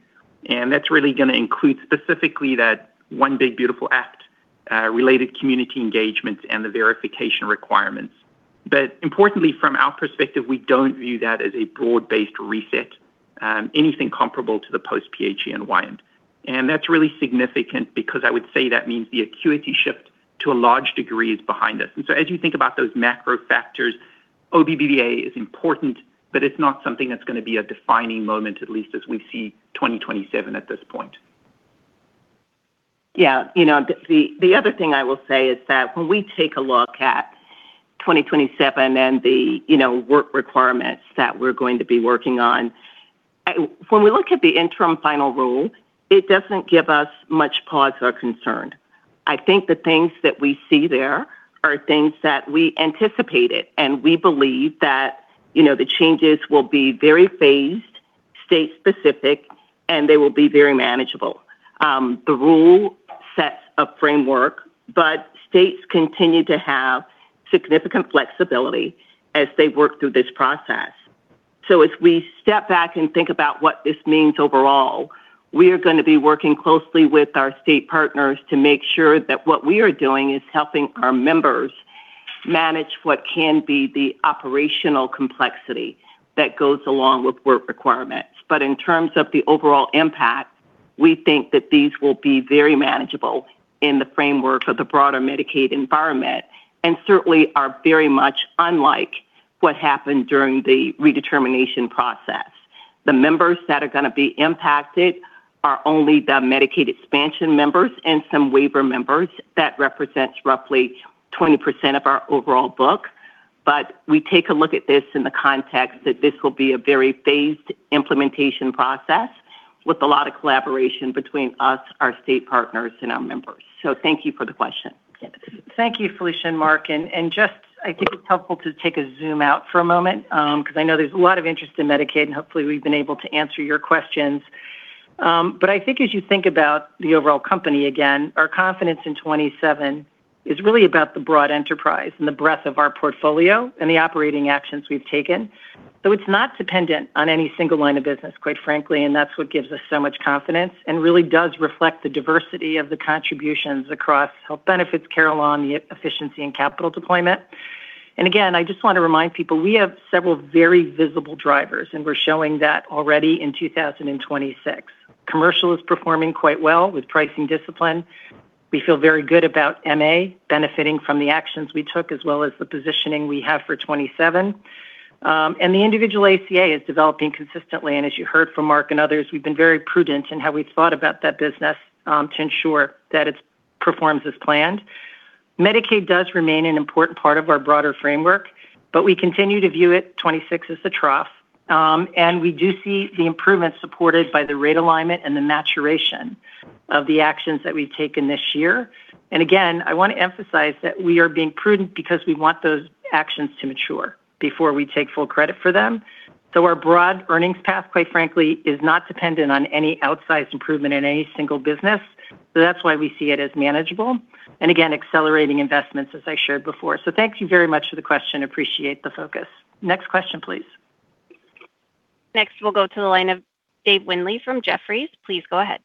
That's really going to include specifically that One Big Beautiful Act related community engagements and the verification requirements. Importantly, from our perspective, we don't view that as a broad-based reset, anything comparable to the post PHE unwind. That's really significant because I would say that means the acuity shift to a large degree is behind us. As you think about those macro factors, OBBBA is important, but it's not something that's going to be a defining moment, at least as we see 2027 at this point. Yeah. The other thing I will say is that when we take a look at 2027 and the work requirements that we're going to be working on, when we look at the interim final rule, it doesn't give us much pause or concern. I think the things that we see there are things that we anticipated, and we believe that the changes will be very phased, state-specific, and they will be very manageable. The rule sets a framework, but states continue to have significant flexibility as they work through this process. As we step back and think about what this means overall, we are going to be working closely with our state partners to make sure that what we are doing is helping our members manage what can be the operational complexity that goes along with work requirements. In terms of the overall impact, we think that these will be very manageable in the framework of the broader Medicaid environment, and certainly are very much unlike what happened during the redetermination process. The members that are going to be impacted are only the Medicaid expansion members and some waiver members. That represents roughly 20% of our overall book. We take a look at this in the context that this will be a very phased implementation process with a lot of collaboration between us, our state partners, and our members. Thank you for the question. Thank you, Felicia and Mark. Just, I think it's helpful to take a zoom out for a moment, because I know there's a lot of interest in Medicaid, and hopefully we've been able to answer your questions. I think as you think about the overall company, again, our confidence in 2027 is really about the broad enterprise and the breadth of our portfolio and the operating actions we've taken. It's not dependent on any single line of business, quite frankly, and that's what gives us so much confidence and really does reflect the diversity of the contributions across health benefits, Carelon, the efficiency and capital deployment. Again, I just want to remind people, we have several very visible drivers, and we're showing that already in 2026. Commercial is performing quite well with pricing discipline. We feel very good about MA benefiting from the actions we took, as well as the positioning we have for 2027. The individual ACA is developing consistently, and as you heard from Mark and others, we've been very prudent in how we've thought about that business to ensure that it performs as planned. Medicaid does remain an important part of our broader framework, but we continue to view it, 2026 as the trough. We do see the improvements supported by the rate alignment and the maturation of the actions that we've taken this year. Again, I want to emphasize that we are being prudent because we want those actions to mature before we take full credit for them. Our broad earnings path, quite frankly, is not dependent on any outsized improvement in any single business. That's why we see it as manageable, and again, accelerating investments as I shared before. Thank you very much for the question, appreciate the focus. Next question, please. Next, we'll go to the line of Dave Windley from Jefferies. Please go ahead.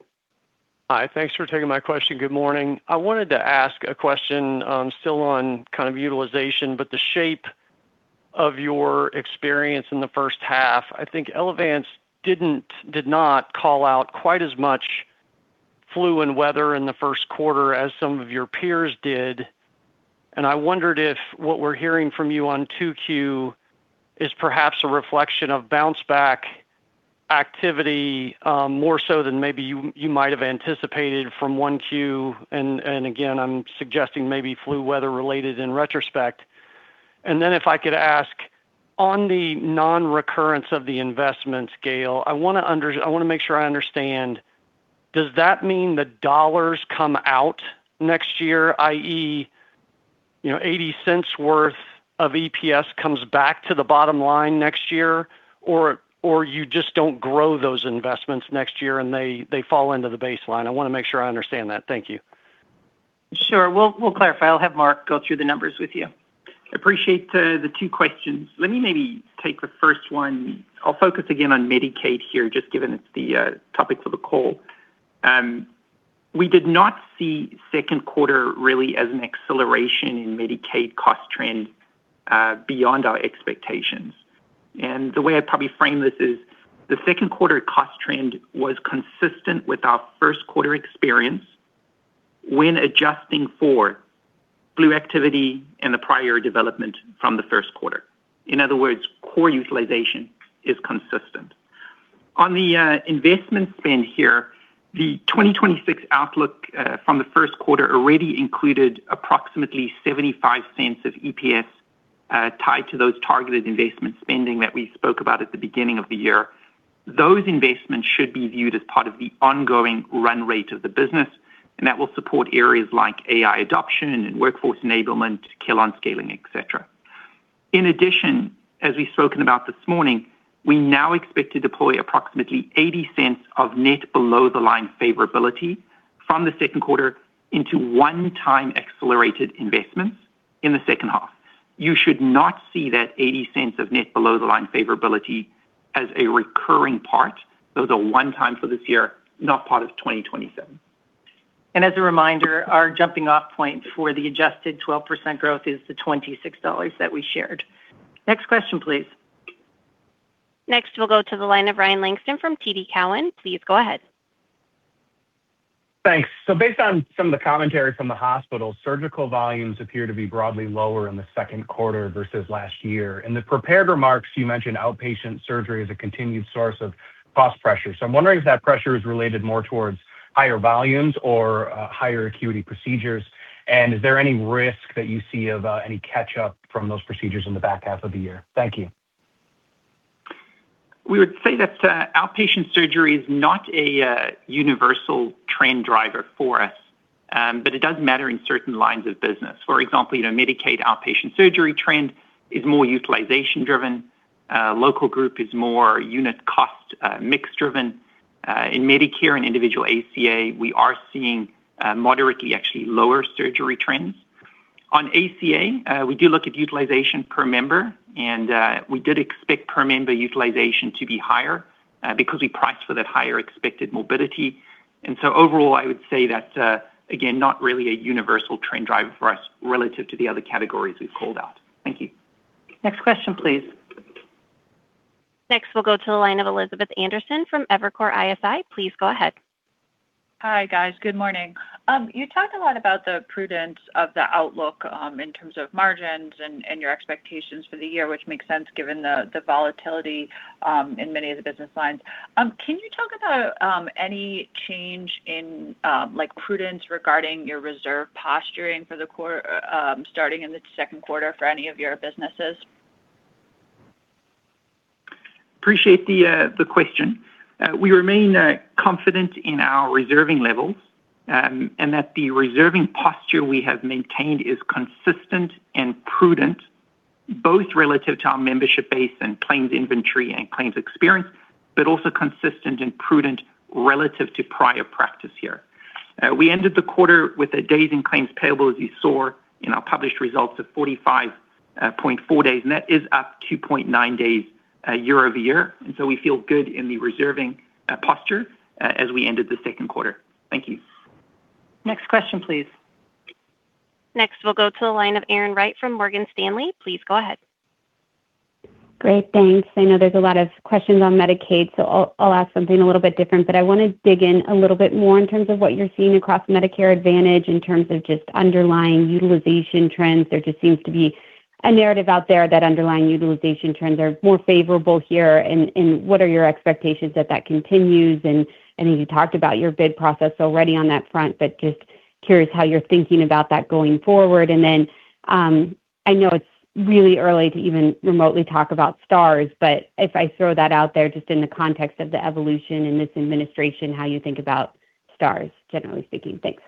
Hi, thanks for taking my question. Good morning, I wanted to ask a question still on kind of utilization, but the shape of your experience in the first half. I think Elevance did not call out quite as much flu and weather in the first quarter as some of your peers did, and I wondered if what we're hearing from you on 2Q is perhaps a reflection of bounce back activity more so than maybe you might have anticipated from 1Q. Again, I'm suggesting maybe flu, weather-related in retrospect. Then if I could ask, on the non-recurrence of the investment scale, I want to make sure I understand. Does that mean the dollars come out next year, i.e., $0.80 worth of EPS comes back to the bottom line next year, or you just don't grow those investments next year and they fall into the baseline? I want to make sure I understand that. Thank you. Sure, we'll clarify. I'll have Mark Kaye go through the numbers with you. Appreciate the two questions. Let me maybe take the first one. I'll focus again on Medicaid here, just given it's the topic for the call. We did not see second quarter really as an acceleration in Medicaid cost trends beyond our expectations. The way I'd probably frame this is the second quarter cost trend was consistent with our first quarter experience when adjusting for flu activity and the prior development from the first quarter. In other words, core utilization is consistent. On the investment spend here, the 2026 outlook from the first quarter already included approximately $0.75 of EPS tied to those targeted investment spending that we spoke about at the beginning of the year. Those investments should be viewed as part of the ongoing run rate of the business, and that will support areas like AI adoption and workforce enablement, Carelon scaling, etc. In addition, as we've spoken about this morning, we now expect to deploy approximately $0.80 of net below the line favorability from the second quarter into one-time accelerated investments in the second half. You should not see that $0.80 of net below the line favorability as a recurring part. Those are one-time for this year, not part of 2027. As a reminder, our jumping off point for the adjusted 12% growth is the $26 that we shared. Next question, please. Next, we'll go to the line of Ryan Langston from TD Cowen. Please go ahead. Thanks. Based on some of the commentary from the hospital, surgical volumes appear to be broadly lower in the second quarter versus last year. In the prepared remarks, you mentioned outpatient surgery as a continued source of cost pressure. I'm wondering if that pressure is related more towards higher volumes or higher acuity procedures, and is there any risk that you see of any catch-up from those procedures in the back half of the year? Thank you. We would say that outpatient surgery is not a universal trend driver for us, but it does matter in certain lines of business. For example, Medicaid outpatient surgery trend is more utilization driven. Local group is more unit cost mixed driven. In Medicare and individual ACA, we are seeing moderately actually lower surgery trends. On ACA, we do look at utilization per member, and we did expect per member utilization to be higher because we priced for that higher expected morbidity. Overall, I would say that's, again, not really a universal trend driver for us relative to the other categories we've called out. Thank you. Next question, please. Next, we'll go to the line of Elizabeth Anderson from Evercore ISI. Please go ahead. Hi, guys. Good morning. You talked a lot about the prudence of the outlook in terms of margins and your expectations for the year, which makes sense given the volatility in many of the business lines. Can you talk about any change in prudence regarding your reserve posturing starting in the second quarter for any of your businesses? Appreciate the question. We remain confident in our reserving levels, and that the reserving posture we have maintained is consistent and prudent, both relative to our membership base and claims inventory and claims experience, but also consistent and prudent relative to prior practice here. We ended the quarter with the days in claims payable, as you saw in our published results, of 45.4 days, and that is up 2.9 days year-over-year. We feel good in the reserving posture as we ended the second quarter. Thank you. Next question, please. Next, we'll go to the line of Erin Wright from Morgan Stanley. Please go ahead. Great, thanks. I know there's a lot of questions on Medicaid, so I'll ask something a little bit different. I want to dig in a little bit more in terms of what you're seeing across Medicare Advantage in terms of just underlying utilization trends. There just seems to be a narrative out there that underlying utilization trends are more favorable here and what are your expectations that that continues? I know you talked about your bid process already on that front, but just curious how you're thinking about that going forward. I know it's really early to even remotely talk about Stars, but if I throw that out there just in the context of the evolution in this administration, how you think about Stars, generally speaking. Thanks.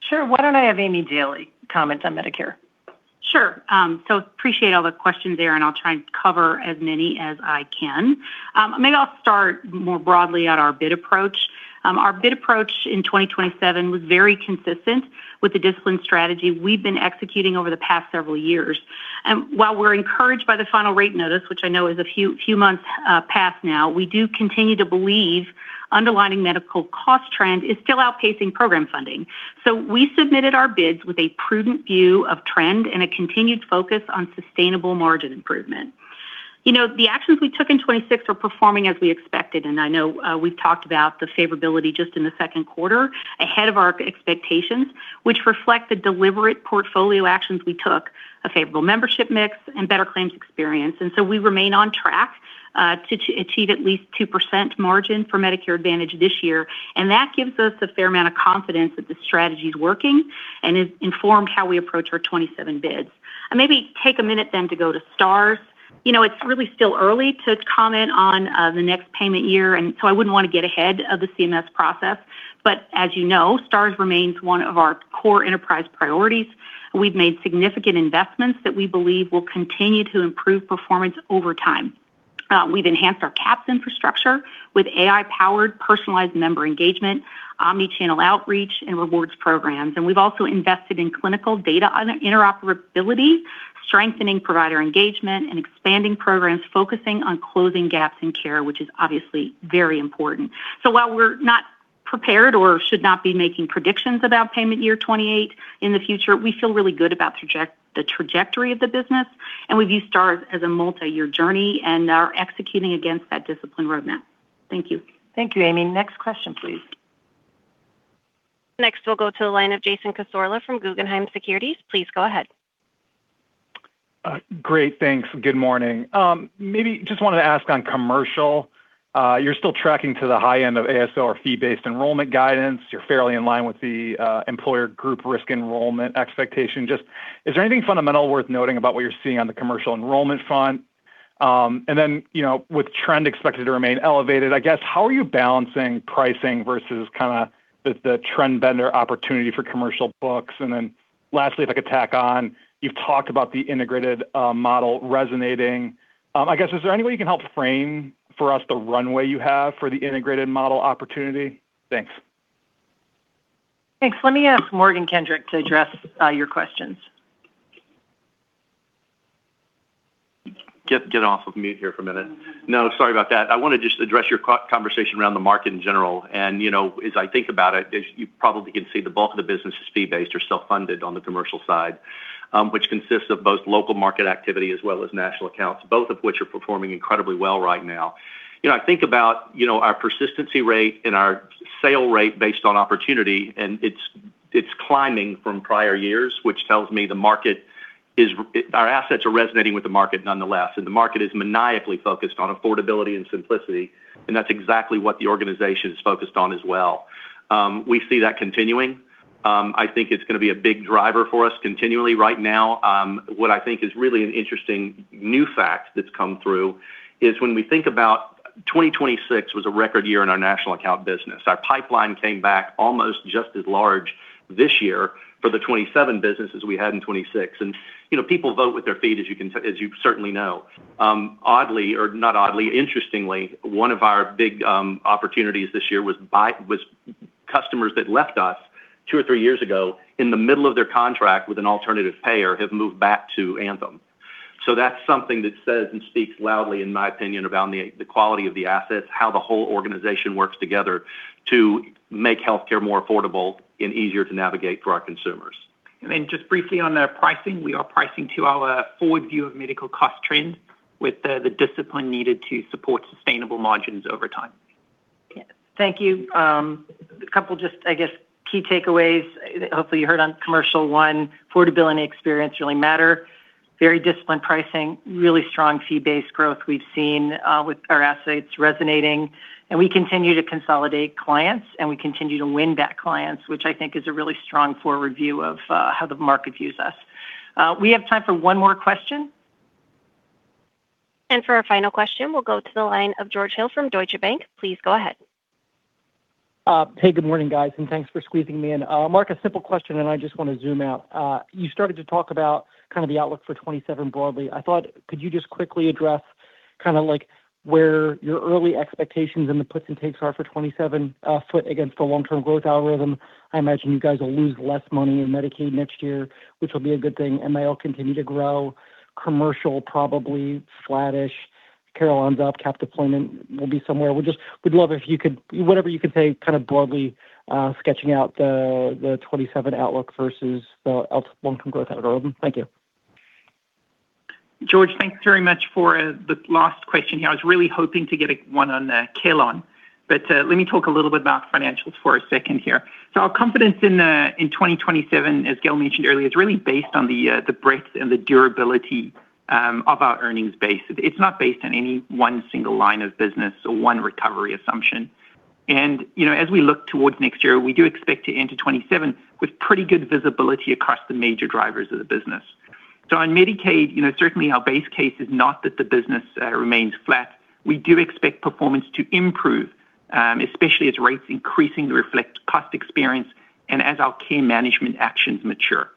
Sure. Why don't I have Aimée Dailey comment on Medicare? Appreciate all the questions there, and I'll try and cover as many as I can. Maybe I'll start more broadly on our bid approach. Our bid approach in 2027 was very consistent with the discipline strategy we've been executing over the past several years. While we're encouraged by the final rate notice, which I know is a few months passed now, we do continue to believe underlying medical cost trend is still outpacing program funding. We submitted our bids with a prudent view of trend and a continued focus on sustainable margin improvement. The actions we took in 2026 are performing as we expected, and I know we've talked about the favorability just in the second quarter ahead of our expectations, which reflect the deliberate portfolio actions we took, a favorable membership mix and better claims experience. We remain on track to achieve at least 2% margin for Medicare Advantage this year, and that gives us a fair amount of confidence that the strategy is working and has informed how we approach our 2027 bids. I'll maybe take a minute to go to stars. It's really still early to comment on the next payment year. I wouldn't want to get ahead of the CMS process. As you know, stars remains one of our core enterprise priorities. We've made significant investments that we believe will continue to improve performance over time. We've enhanced our CAHPS infrastructure with AI-powered personalized member engagement, omni-channel outreach, and rewards programs. We've also invested in clinical data interoperability, strengthening provider engagement, and expanding programs focusing on closing gaps in care, which is obviously very important. While we're not prepared or should not be making predictions about payment year 2028 in the future, we feel really good about the trajectory of the business. We view stars as a multi-year journey and are executing against that discipline roadmap. Thank you. Thank you, Aimée. Next question, please. Next, we'll go to the line of Jason Cassorla from Guggenheim Securities. Please go ahead. Great, thanks. Good morning. Maybe just wanted to ask on commercial, you're still tracking to the high end of ASO or fee-based enrollment guidance. You're fairly in line with the employer group risk enrollment expectation. Just is there anything fundamental worth noting about what you're seeing on the commercial enrollment front? Then, with trend expected to remain elevated, I guess, how are you balancing pricing versus kind of the trend bender opportunity for commercial books? Then lastly, if I could tack on, you've talked about the integrated model resonating. I guess, is there any way you can help frame for us the runway you have for the integrated model opportunity? Thanks. Thanks. Let me ask Morgan Kendrick to address your questions. I want to just address your conversation around the market in general. As I think about it, as you probably can see, the bulk of the business is fee-based or self-funded on the commercial side, which consists of both local market activity as well as national accounts, both of which are performing incredibly well right now. I think about our persistency rate our sale rate based on opportunity, it's climbing from prior years, which tells me our assets are resonating with the market nonetheless. The market is maniacally focused on affordability and simplicity, that's exactly what the organization is focused on as well. We see that continuing. I think it's going to be a big driver for us continually right now. What I think is really an interesting new fact that's come through is when we think about 2026 was a record year in our national account business. Our pipeline came back almost just as large this year for the 2027 business as we had in 2026. People vote with their feet, as you certainly know. Oddly, or not oddly, interestingly, one of our big opportunities this year was customers that left us two or three years ago in the middle of their contract with an alternative payer have moved back to Anthem. That's something that says and speaks loudly in my opinion about the quality of the assets, how the whole organization works together to make healthcare more affordable and easier to navigate for our consumers. Just briefly on the pricing, we are pricing to our forward view of medical cost trends with the discipline needed to support sustainable margins over time. Thank you. A couple just, I guess, key takeaways. Hopefully, you heard on commercial, one, affordability and experience really matter. Very disciplined pricing, really strong fee-based growth we've seen with our assets resonating. We continue to consolidate clients, and we continue to win back clients, which I think is a really strong forward view of how the market views us. We have time for one more question. For our final question, we'll go to the line of George Hill from Deutsche Bank. Please go ahead. Hey, good morning, guys, and thanks for squeezing me in. Mark, a simple question. I just want to zoom out. You started to talk about the outlook for 2027 broadly. I thought, could you just quickly address where your early expectations and the puts and takes are for 2027, put against the long-term growth algorithm? I imagine you guys will lose less money in Medicaid next year, which will be a good thing, and may all continue to grow. Commercial probably flattish. Carelon's up, capital deployment will be somewhere. We'd love if you could, whatever you can say, broadly sketching out the 2027 outlook versus the long-term growth algorithm. Thank you. George, thanks very much for the last question here. I was really hoping to get one on Carelon. Let me talk a little bit about financials for a second here. Our confidence in 2027, as Gail mentioned earlier, is really based on the breadth and the durability of our earnings base. It's not based on any one single line of business or one recovery assumption. As we look towards next year, we do expect to enter 2027 with pretty good visibility across the major drivers of the business. On Medicaid, certainly our base case is not that the business remains flat. We do expect performance to improve, especially as rates increasingly reflect cost experience and as our key management actions mature.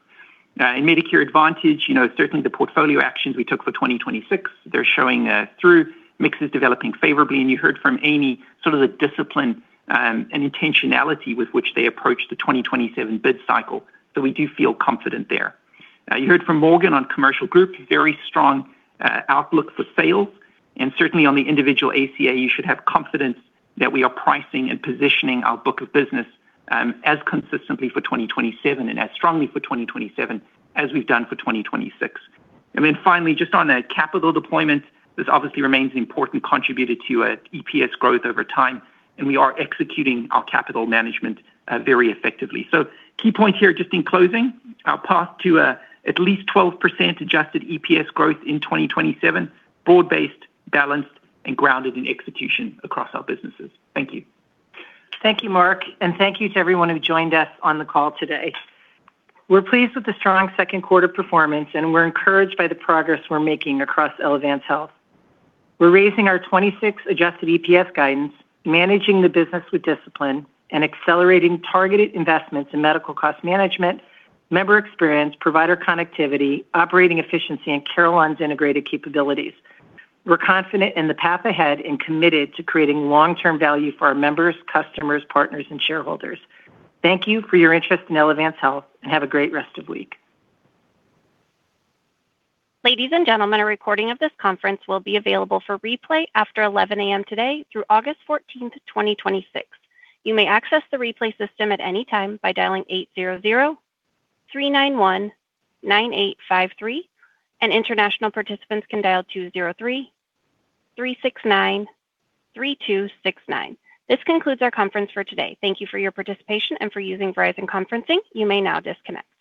Now, in Medicare Advantage, certainly the portfolio actions we took for 2026, they're showing through, mix is developing favorably, and you heard from Aimée sort of the discipline and intentionality with which they approached the 2027 bid cycle. We do feel confident there. You heard from Morgan on Commercial Group, very strong outlook for sales, and certainly on the individual ACA, you should have confidence that we are pricing and positioning our book of business as consistently for 2027 and as strongly for 2027 as we've done for 2026. Finally, just on capital deployment, this obviously remains an important contributor to EPS growth over time, and we are executing our capital management very effectively. Key points here, just in closing, our path to at least 12% adjusted EPS growth in 2027, broad-based, balanced, and grounded in execution across our businesses. Thank you. Thank you, Mark, and thank you to everyone who joined us on the call today. We're pleased with the strong second quarter performance, and we're encouraged by the progress we're making across Elevance Health. We're raising our 2026 adjusted EPS guidance, managing the business with discipline, and accelerating targeted investments in medical cost management, member experience, provider connectivity, operating efficiency, and Carelon's integrated capabilities. We're confident in the path ahead and committed to creating long-term value for our members, customers, partners, and shareholders. Thank you for your interest in Elevance Health, and have a great rest of week. Ladies and gentlemen, a recording of this conference will be available for replay after 11:00 A.M. today through August 14th, 2026. You may access the replay system at any time by dialing 800-391-9853. International participants can dial 203-369-3269. This concludes our conference for today. Thank you for your participation and for using Verizon Conferencing, you may now disconnect.